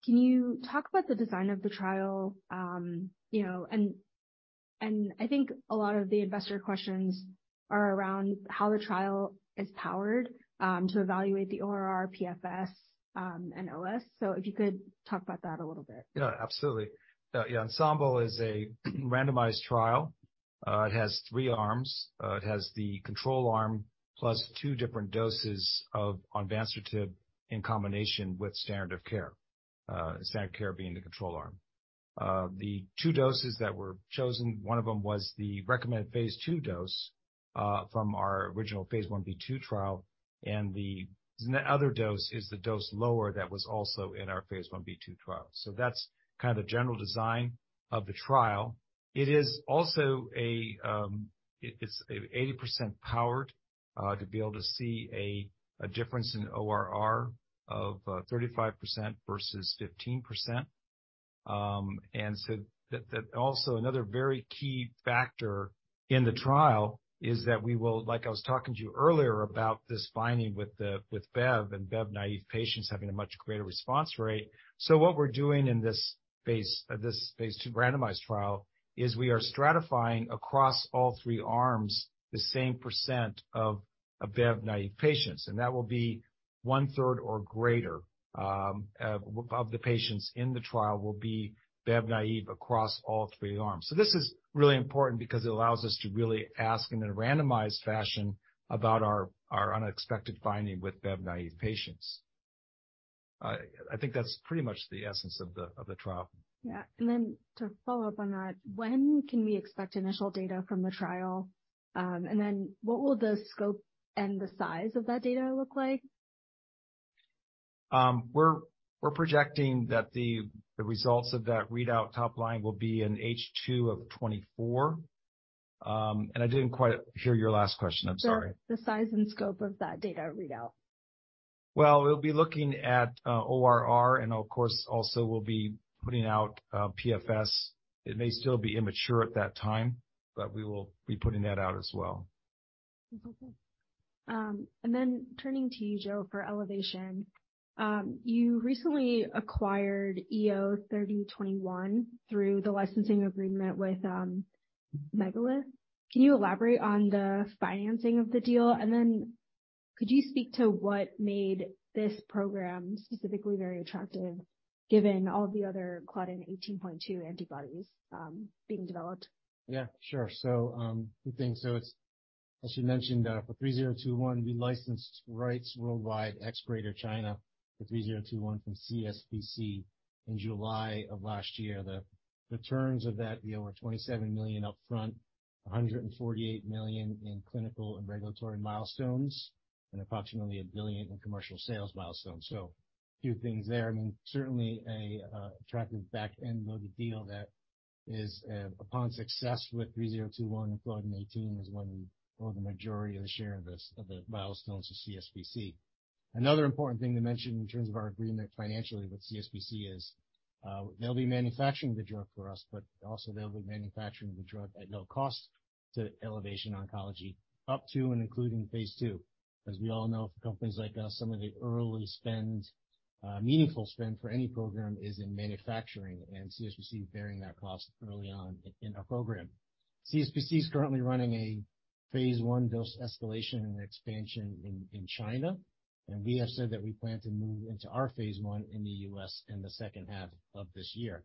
Can you talk about the design of the trial? You know, and I think a lot of the investor questions are around how the trial is powered to evaluate the ORR PFS and OS. If you could talk about that a little bit. Yeah, absolutely. The ENSEMBLE is a randomized trial. It has three arms. It has the control arm plus two different doses of Onvansertib in combination with standard of care, standard care being the control arm. The two doses that were chosen, one of them was the recommended phase II dose from our original phase I-B/II trial, and the other dose is the dose lower that was also in our phase I-B/II trial. That's kind of the general design of the trial. It is also 80% powered to be able to see a difference in ORR of 35% versus 15%. That also another very key factor in the trial Like I was talking to you earlier about this finding with the, with Bev and Bev-naive patients having a much greater response rate. What we're doing in this phase II randomized trial is we are stratifying across all three arms the same percent of Bev-naive patients. That will be 1/3 or greater of the patients in the trial will be Bev-naive across all three arms. This is really important because it allows us to really ask in a randomized fashion about our unexpected finding with Bev-naive patients. I think that's pretty much the essence of the trial. Yeah. To follow up on that, when can we expect initial data from the trial? What will the scope and the size of that data look like? We're projecting that the results of that readout top line will be in H2 of 2024. I didn't quite hear your last question. I'm sorry. The size and scope of that data readout. Well, we'll be looking at ORR, and of course, also we'll be putting out PFS. It may still be immature at that time, but we will be putting that out as well. Turning to you, Joe Ferra, for Elevation Oncology. You recently acquired EO-3021 through the licensing agreement with Megalith. Can you elaborate on the financing of the deal? Could you speak to what made this program specifically very attractive given all the other Claudin 18.2 antibodies being developed? Yeah, sure. A few things. It's, as you mentioned, for EO-3021, we licensed rights worldwide, ex-greater China, for EO-3021 from CSPC in July of last year. The terms of that would be over $27 million upfront, $148 million in clinical and regulatory milestones, and approximately $1 billion in commercial sales milestones. A few things there. I mean, certainly a attractive back-end-loaded deal that is, upon success with EO-3021 and Claudin 18.2 is when we owe the majority of the share of the milestones to CSPC. Another important thing to mention in terms of our agreement financially with CSPC is. They'll be manufacturing the drug for us, but also they'll be manufacturing the drug at no cost to Elevation Oncology up to and including phase II. As we all know, for companies like us, some of the early spend, meaningful spend for any program is in manufacturing, and CSPC is bearing that cost early on in our program. CSPC is currently running a phase I dose escalation and expansion in China, and we have said that we plan to move into our phase I in the U.S. in the H2 of this year.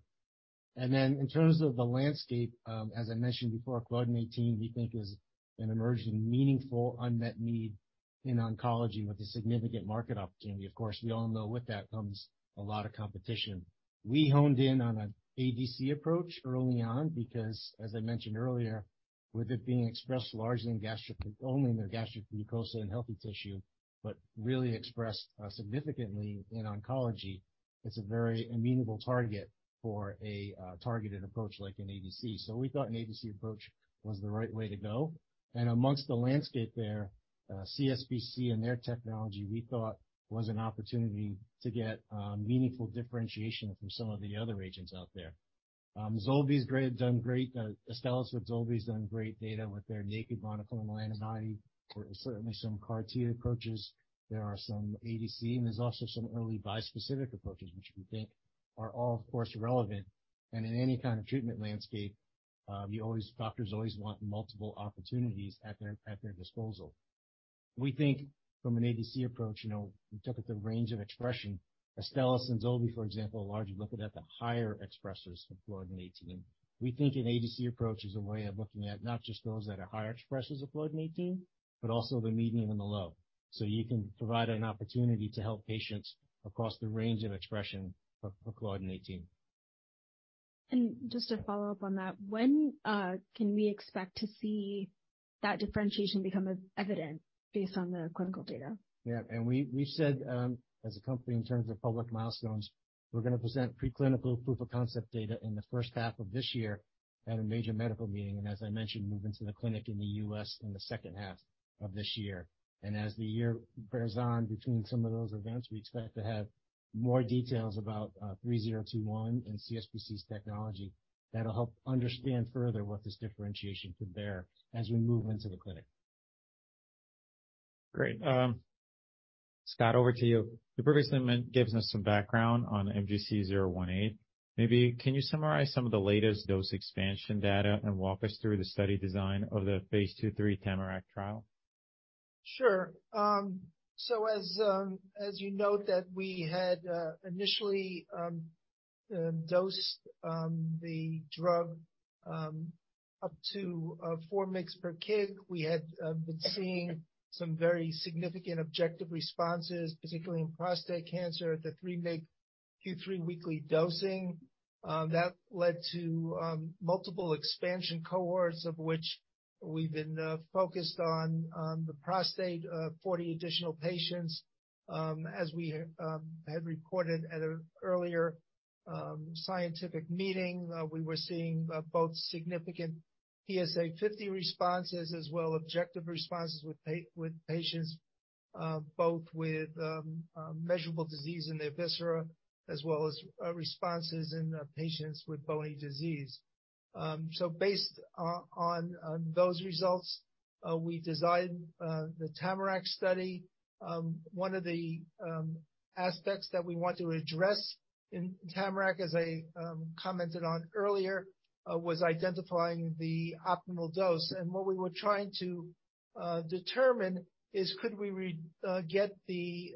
In terms of the landscape, as I mentioned before, Claudin 18, we think, is an emerging meaningful unmet need in oncology with a significant market opportunity. Of course, we all know with that comes a lot of competition. We honed in on an ADC approach early on because, as I mentioned earlier, with it being expressed largely in gastric, only in the gastric mucosa and healthy tissue, but really expressed significantly in oncology, it's a very amenable target for a targeted approach like an ADC. We thought an ADC approach was the right way to go. Amongst the landscape there, CSPC and their technology, we thought, was an opportunity to get meaningful differentiation from some of the other agents out there. Zolbetuximab done great. Astellas with Zolbetuximab done great data with their naked monoclonal antibody. There are certainly some CAR-T approaches. There are some ADC, and there's also some early bispecific approaches, which we think are all, of course, relevant. In any kind of treatment landscape, doctors always want multiple opportunities at their disposal. We think from an ADC approach, you know, we look at the range of expression. Astellas and Zolbetuximab, for example, are largely looking at the higher expressers of Claudin 18.2. We think an ADC approach is a way of looking at not just those that are higher expressers of Claudin 18.2, but also the medium and the low. You can provide an opportunity to help patients across the range of expression of Claudin 18.2. Just to follow up on that, when can we expect to see that differentiation become evident based on the clinical data? Yeah. We said, as a company in terms of public milestones, we're gonna present preclinical proof of concept data in the H1 of this year at a major medical meeting, As I mentioned, move into the clinic in the U.S. in the H2 of this year. As the year bears on between some of those events, we expect to have more details about 3021 and CSPC's technology that'll help understand further what this differentiation could bear as we move into the clinic. Great. Scott, over to you. You previously gave us some background on MGC018. Maybe can you summarize some of the latest dose expansion data and walk us through the study design of the phase II/III TAMARACK trial? Sure. As you note that we had initially dosed the drug up to 4 mg/kg, we had been seeing some very significant objective responses, particularly in prostate cancer at the 3 mg Q3 weekly dosing. That led to multiple expansion cohorts of which we've been focused on the prostate, 40 additional patients. As we had reported at an earlier scientific meeting, we were seeing both significant PSA 50 responses as well, objective responses with patients both with measurable disease in their viscera, as well as responses in patients with bony disease. Based on those results, we designed the TAMARACK study. One of the aspects that we want to address in TAMARACK, as I commented on earlier, was identifying the optimal dose. What we were trying to determine is could we get the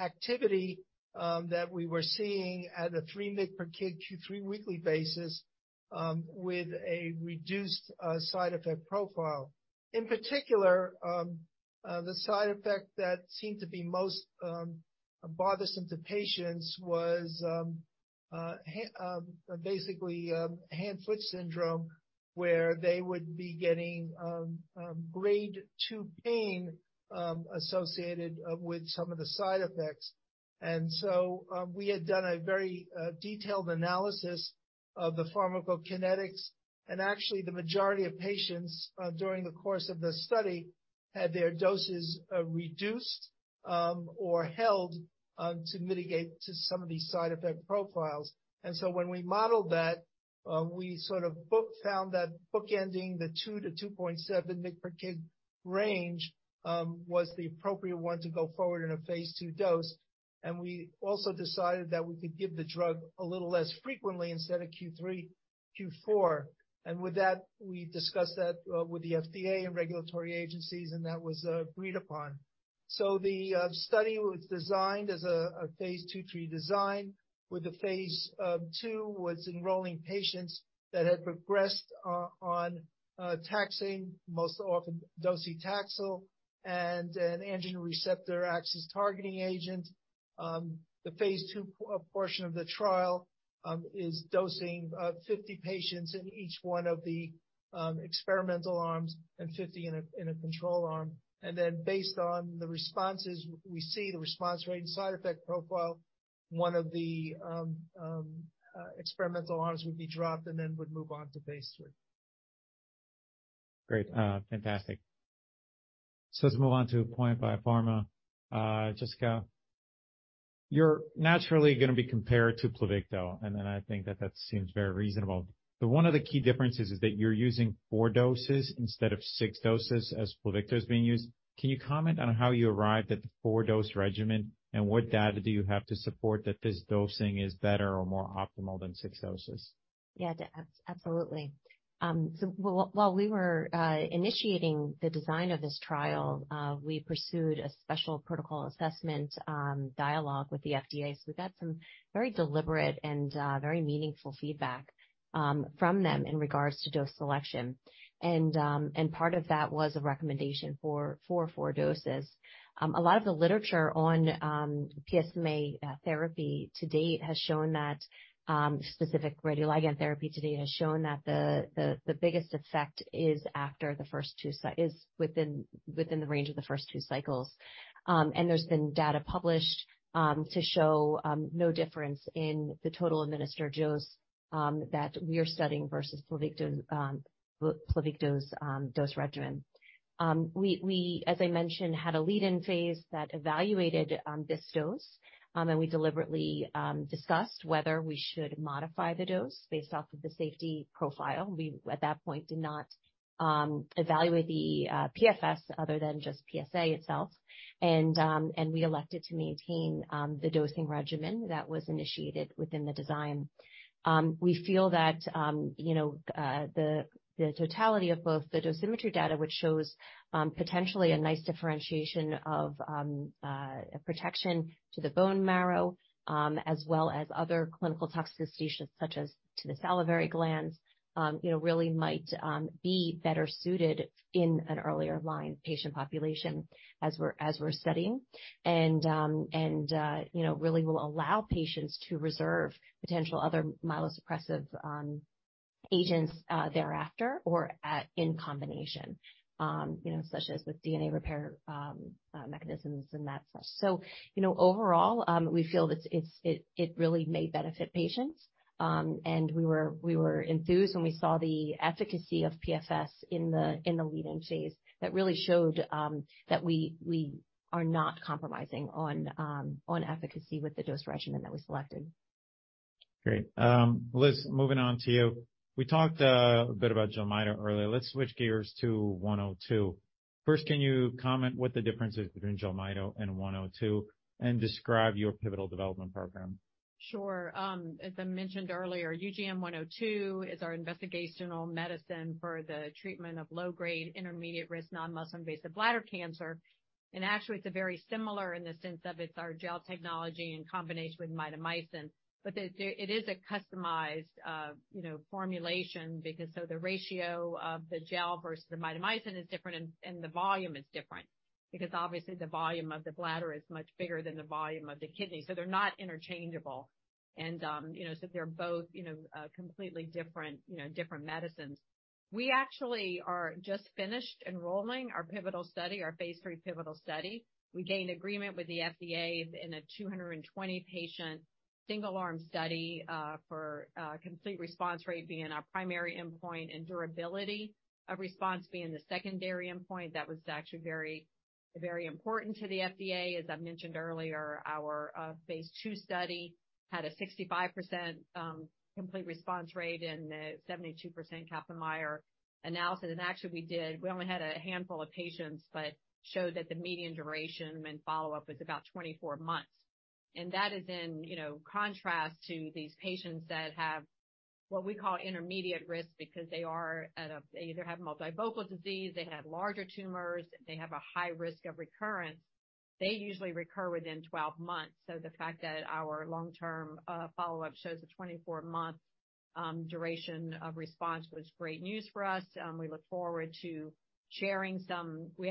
activity that we were seeing at a 3 mg/kg Q3 weekly basis with a reduced side effect profile. In particular, the side effect that seemed to be most bothersome to patients was basically hand-foot syndrome, where they would be getting grade two pain associated with some of the side effects. We had done a very detailed analysis of the pharmacokinetics, and actually the majority of patients during the course of the study had their doses reduced or held to mitigate to some of these side effect profiles. When we modeled that, we sort of found that bookending the 2 to 2.7 mg per kg range was the appropriate one to go forward in a phase II dose. We also decided that we could give the drug a little less frequently instead of Q3, Q4. With that, we discussed that with the FDA and regulatory agencies, and that was agreed upon. The study was designed as a phase II/III design, where the phase II was enrolling patients that had progressed on taxane, most often docetaxel, and an androgen receptor axis targeting agent. The phase II portion of the trial is dosing 50 patients in each one of the experimental arms and 50 in a control arm. Based on the responses, we see the response rate and side effect profile, one of the experimental arms would be dropped and then would move on to phase III. Great. Fantastic. Let's move on to POINT Biopharma. Jessica, you're naturally gonna be compared to Pluvicto, and then I think that that seems very reasonable. One of the key differences is that you're using four doses instead of six doses as Pluvicto is being used. Can you comment on how you arrived at the four-dose regimen, and what data do you have to support that this dosing is better or more optimal than six doses? Yeah, absolutely. While we were initiating the design of this trial, we pursued a special protocol assessment dialogue with the FDA. We got some very deliberate and very meaningful feedback from them in regards to dose selection. Part of that was a recommendation for four doses. A lot of the literature on PSMA therapy to date has shown that specific radioligand therapy to date has shown that the biggest effect is after the first two is within the range of the first two cycles. There's been data published to show no difference in the total administered dose that we are studying versus Pluvicto's dose regimen. We, as I mentioned, had a lead-in phase that evaluated this dose, and we deliberately discussed whether we should modify the dose based off of the safety profile. We, at that point, did not evaluate the PFS other than just PSA itself. We elected to maintain the dosing regimen that was initiated within the design. We feel that, you know, the totality of both the dosimetry data, which shows potentially a nice differentiation of protection to the bone marrow, as well as other clinical toxicities such as to the salivary glands, you know, really might be better suited in an earlier line patient population as we're studying. You know, really will allow patients to reserve potential other myelosuppressive agents thereafter or at in combination, you know, such as with DNA repair mechanisms and that such. You know, overall, we feel it really may benefit patients. We were enthused when we saw the efficacy of PFS in the lead-in phase that really showed that we are not compromising on efficacy with the dose regimen that we selected. Great. Liz, moving on to you. We talked a bit about Jelmyto earlier. Let's switch gears to 102. First, can you comment what the difference is between Jelmyto and 102, and describe your pivotal development program? Sure. As I mentioned earlier, UGN-102 is our investigational medicine for the treatment of low-grade intermediate-risk non-muscle invasive bladder cancer. Actually, it's a very similar in the sense of it's our gel technology in combination with mitomycin, but it is a customized, you know, formulation because so the ratio of the gel versus the mitomycin is different and the volume is different because obviously the volume of the bladder is much bigger than the volume of the kidney, so they're not interchangeable. You know, they're both, you know, completely different, you know, different medicines. We actually are just finished enrolling our pivotal study, our phase III pivotal study. We gained agreement with the FDA in a 220 patient single-arm study for complete response rate being our primary endpoint and durability of response being the secondary endpoint. That was actually very important to the FDA. As I mentioned earlier, our phase II study had a 65% complete response rate and a 72% Kaplan-Meier analysis. Actually, we only had a handful of patients, but showed that the median duration when follow-up was about 24 months. That is in, you know, contrast to these patients that have what we call intermediate risk because they either have multifocal disease, they have larger tumors, they have a high risk of recurrence. They usually recur within 12 months. The fact that our long-term follow-up shows a 24-month duration of response was great news for us. We look forward to sharing some. We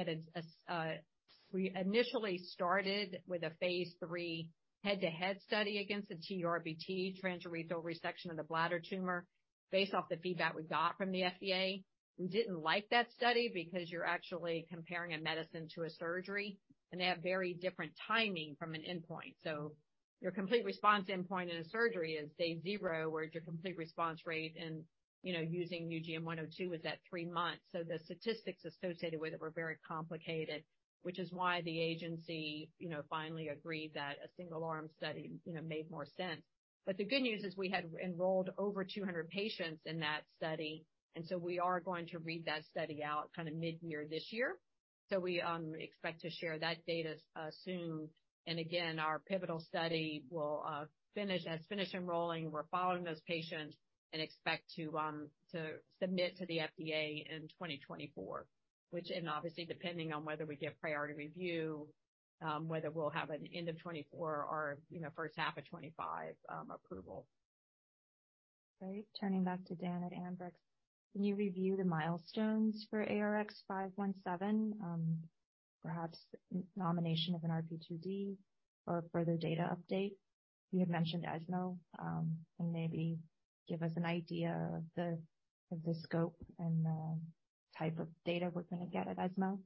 initially started with a phase III head-to-head study against a TURBT, transurethral resection of the bladder tumor, based off the feedback we got from the FDA. We didn't like that study because you're actually comparing a medicine to a surgery, and they have very different timing from an endpoint. Your complete response endpoint in a surgery is day zero, where your complete response rate in, you know, using UGN-102 is at three months. The statistics associated with it were very complicated, which is why the agency, you know, finally agreed that a single-arm study, you know, made more sense. The good news is we had enrolled over 200 patients in that study, and so we are going to read that study out mid-year this year. We expect to share that data soon. Again, our pivotal study will finish, has finished enrolling. We're following those patients and expect to submit to the FDA in 2024, and obviously, depending on whether we get priority review, whether we'll have an end of 2024 or, you know, first half of 2025, approval. Great. Turning back to Dan at Ambrx. Can you review the milestones for ARX517, perhaps nomination of an RP2D or further data update? You had mentioned ESMO, and maybe give us an idea of the scope and the type of data we're gonna get at ESMO.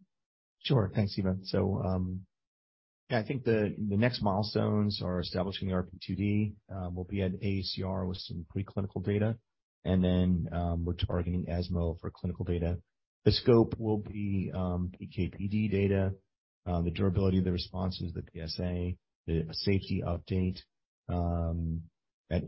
Sure. Thanks, Divya. I think the next milestones are establishing the RP2D will be an AACR with some preclinical data. We're targeting ESMO for clinical data. The scope will be PK/PD data, the durability of the responses, the PSA, the safety update, and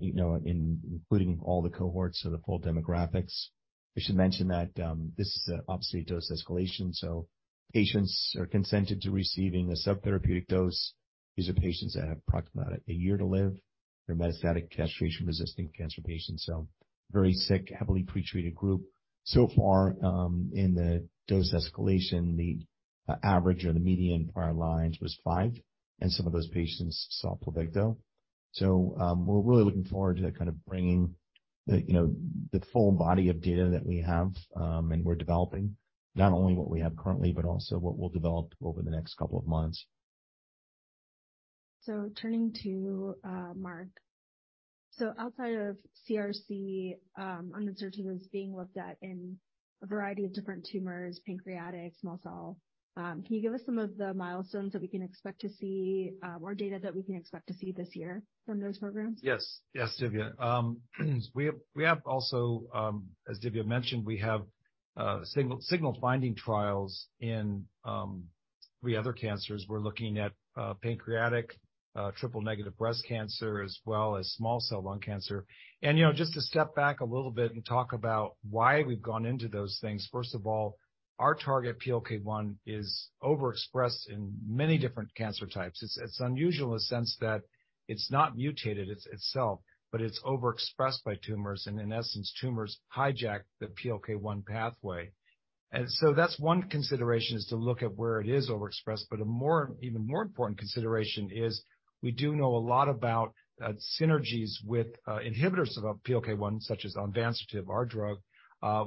you know, including all the cohorts, so the full demographics. I should mention that this is obviously a dose escalation, so patients are consented to receiving a subtherapeutic dose. These are patients that have approximately a year to live. They're metastatic Castration-Resistant cancer patients, so very sick, heavily pre-treated group. In the dose escalation, the average or the median prior lines was five, and some of those patients saw Pluvicto. We're really looking forward to kind of bringing the, you know, the full body of data that we have, and we're developing not only what we have currently, but also what we'll develop over the next couple of months. Turning to Mark. Outside of CRC, onvansertib is being looked at in a variety of different tumors, pancreatic, small cell. Can you give us some of the milestones that we can expect to see, or data that we can expect to see this year from those programs? Yes, Divya. We have also, as Divya mentioned, we have signal finding trials in three other cancers. We're looking at pancreatic, triple negative breast cancer as well as small cell lung cancer. You know, just to step back a little bit and talk about why we've gone into those things. First of all, our target PLK1 is overexpressed in many different cancer types. It's, it's unusual in the sense that it's not mutated itself, but it's overexpressed by tumors, and in essence, tumors hijack the PLK1 pathway. That's one consideration, is to look at where it is overexpressed. Even more important consideration is we do know a lot about synergies with inhibitors of PLK1, such as onvansertib, our drug,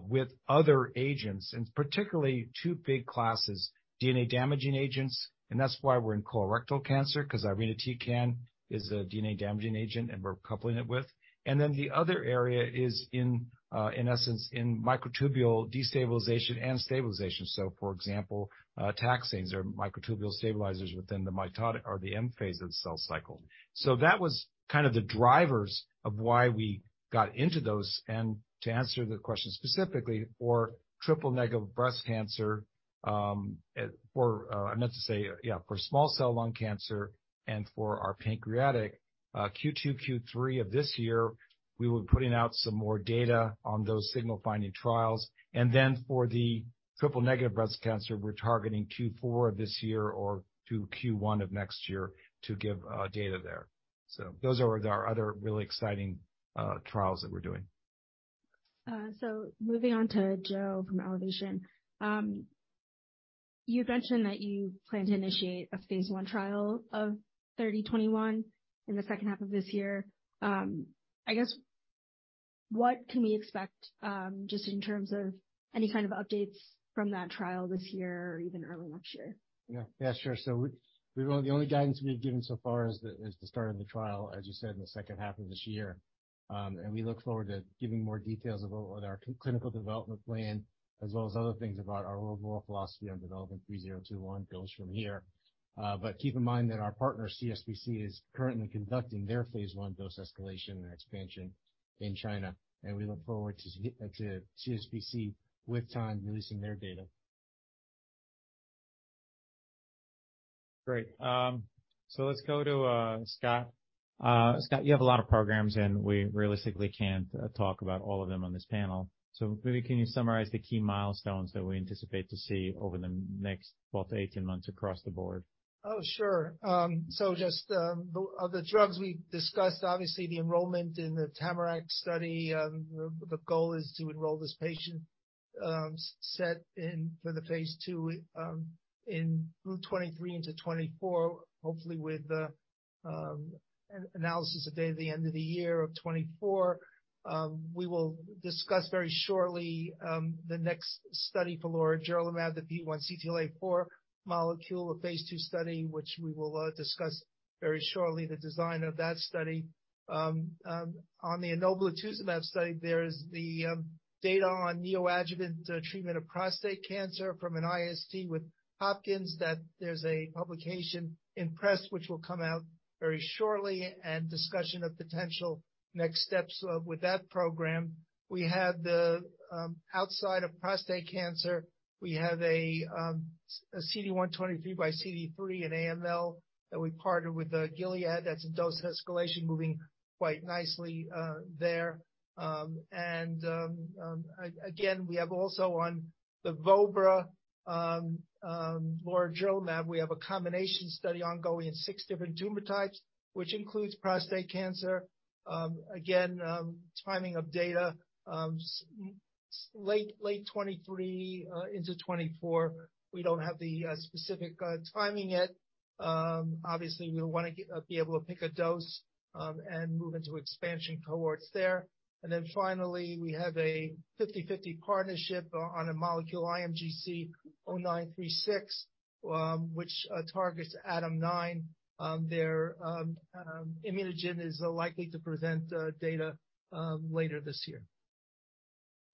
with other agents, and particularly two big classes, DNA-damaging agents. That's why we're in colorectal cancer, 'cause irinotecan is a DNA-damaging agent, and we're coupling it with. The other area is in essence, in microtubule destabilization and stabilization. For example, taxanes are microtubule stabilizers within the mitotic or the M phase of the cell cycle. That was kind of the drivers of why we got into those. To answer the question specifically for triple-negative breast cancer, for small cell lung cancer and for our pancreatic, Q2, Q3 of this year, we were putting out some more data on those signal finding trials. For the triple negative breast cancer, we're targeting Q4 of this year or to Q1 of next year to give data there. Those are our other really exciting trials that we're doing. Moving on to Joe from Elevation Oncology. You mentioned that you plan to initiate a phase I trial of 3021 in the second half of this year. I guess what can we expect, just in terms of any kind of updates from that trial this year or even early next year? Yeah. Yeah, sure. The only guidance we've given so far is the start of the trial, as you said, in the second half of this year. We look forward to giving more details about our clinical development plan as well as other things about our overall philosophy on developing EO-3021 goes from here. Keep in mind that our partner, CSPC, is currently conducting their phase I dose escalation and expansion in China, and we look forward to CSPC with time releasing their data. Great. Let's go to Scott. Scott, you have a lot of programs, and we realistically can't talk about all of them on this panel. Maybe can you summarize the key milestones that we anticipate to see over the next 12 to 18 months across the board? Sure. Just, of the drugs we discussed, obviously the enrollment in the TAMARACK study, the goal is to enroll this patient set in for the phase II in through 2023 into 2024, hopefully with the analysis at the end of the year of 2024. We will discuss very shortly the next study for lorigerlimab, the P-1 CTLA-4 molecule, a phase II study, which we will discuss very shortly, the design of that study. On the enoblituzumab study, there's the data on neoadjuvant treatment of prostate cancer from an IST with Hopkins that there's a publication in press which will come out very shortly and discussion of potential next steps of with that program. We have the outside of prostate cancer, we have a CD123 by CD3 in AML that we partnered with Gilead. That's a dose escalation moving quite nicely there. Again, we have also on the Vobra lorigerlimab. We have a combination study ongoing in six different tumor types, which includes prostate cancer. Timing of data late 2023 into 2024. We don't have the specific timing yet. Obviously we wanna be able to pick a dose and move into expansion cohorts there. Finally, we have a 50/50 partnership on a molecule IMGC936, which targets ADAM9. ImmunoGen is likely to present data later this year.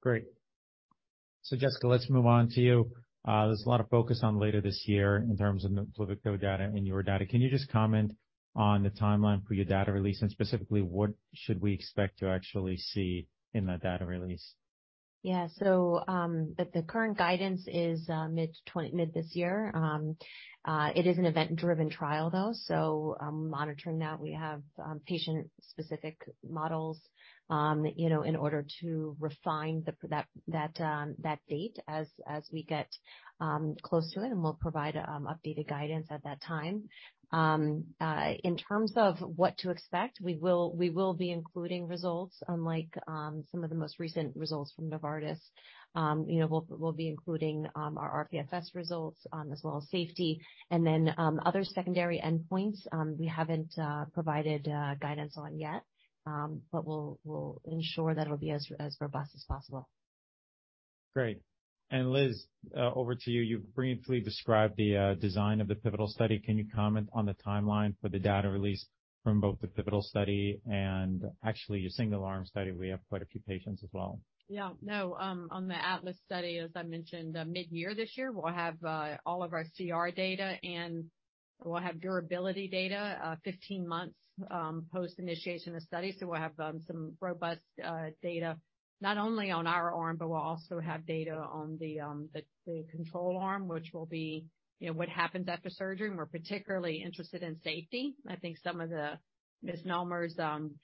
Great. Jessica, let's move on to you. There's a lot of focus on later this year in terms of the Pluvicto data and your data. Can you just comment on the timeline for your data release? Specifically, what should we expect to actually see in that data release? Yeah. The current guidance is mid this year. It is an event-driven trial though. I'm monitoring that we have patient-specific models, you know, in order to refine that date as we get close to it, we'll provide updated guidance at that time. In terms of what to expect, we will be including results unlike some of the most recent results from Novartis. You know, we'll be including our RPFS results as well as safety. Other secondary endpoints we haven't provided guidance on yet. We'll ensure that it'll be as robust as possible. Great. Liz, over to you. You briefly described the design of the pivotal study. Can you comment on the timeline for the data release from both the pivotal study and actually your single-arm study? We have quite a few patients as well. Yeah. No. On the ATLAS study, as I mentioned, mid-year this year, we'll have all of our CR data and we'll have durability data, 15 months, post-initiation of study. We'll have some robust data not only on our arm, but we'll also have data on the control arm, which will be, you know, what happens after surgery, and we're particularly interested in safety. I think some of the misnomers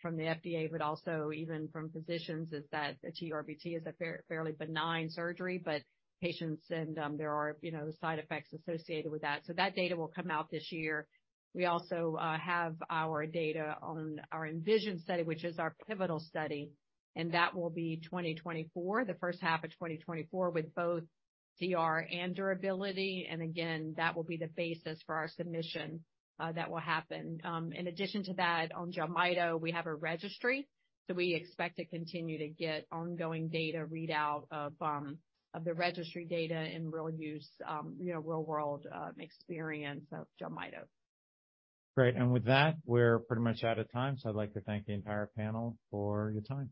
from the FDA, but also even from physicians, is that a TURBT is a fairly benign surgery, but patients and, there are, you know, side effects associated with that. That data will come out this year. We also have our data on our ENVISION study, which is our pivotal study, and that will be 2024, the first half of 2024, with both DR and durability. Again, that will be the basis for our submission that will happen. In addition to that, on Jelmyto, we have a registry, we expect to continue to get ongoing data readout of the registry data in real use, you know, real-world experience of Jelmyto. Great. With that, we're pretty much out of time, so I'd like to thank the entire panel for your time.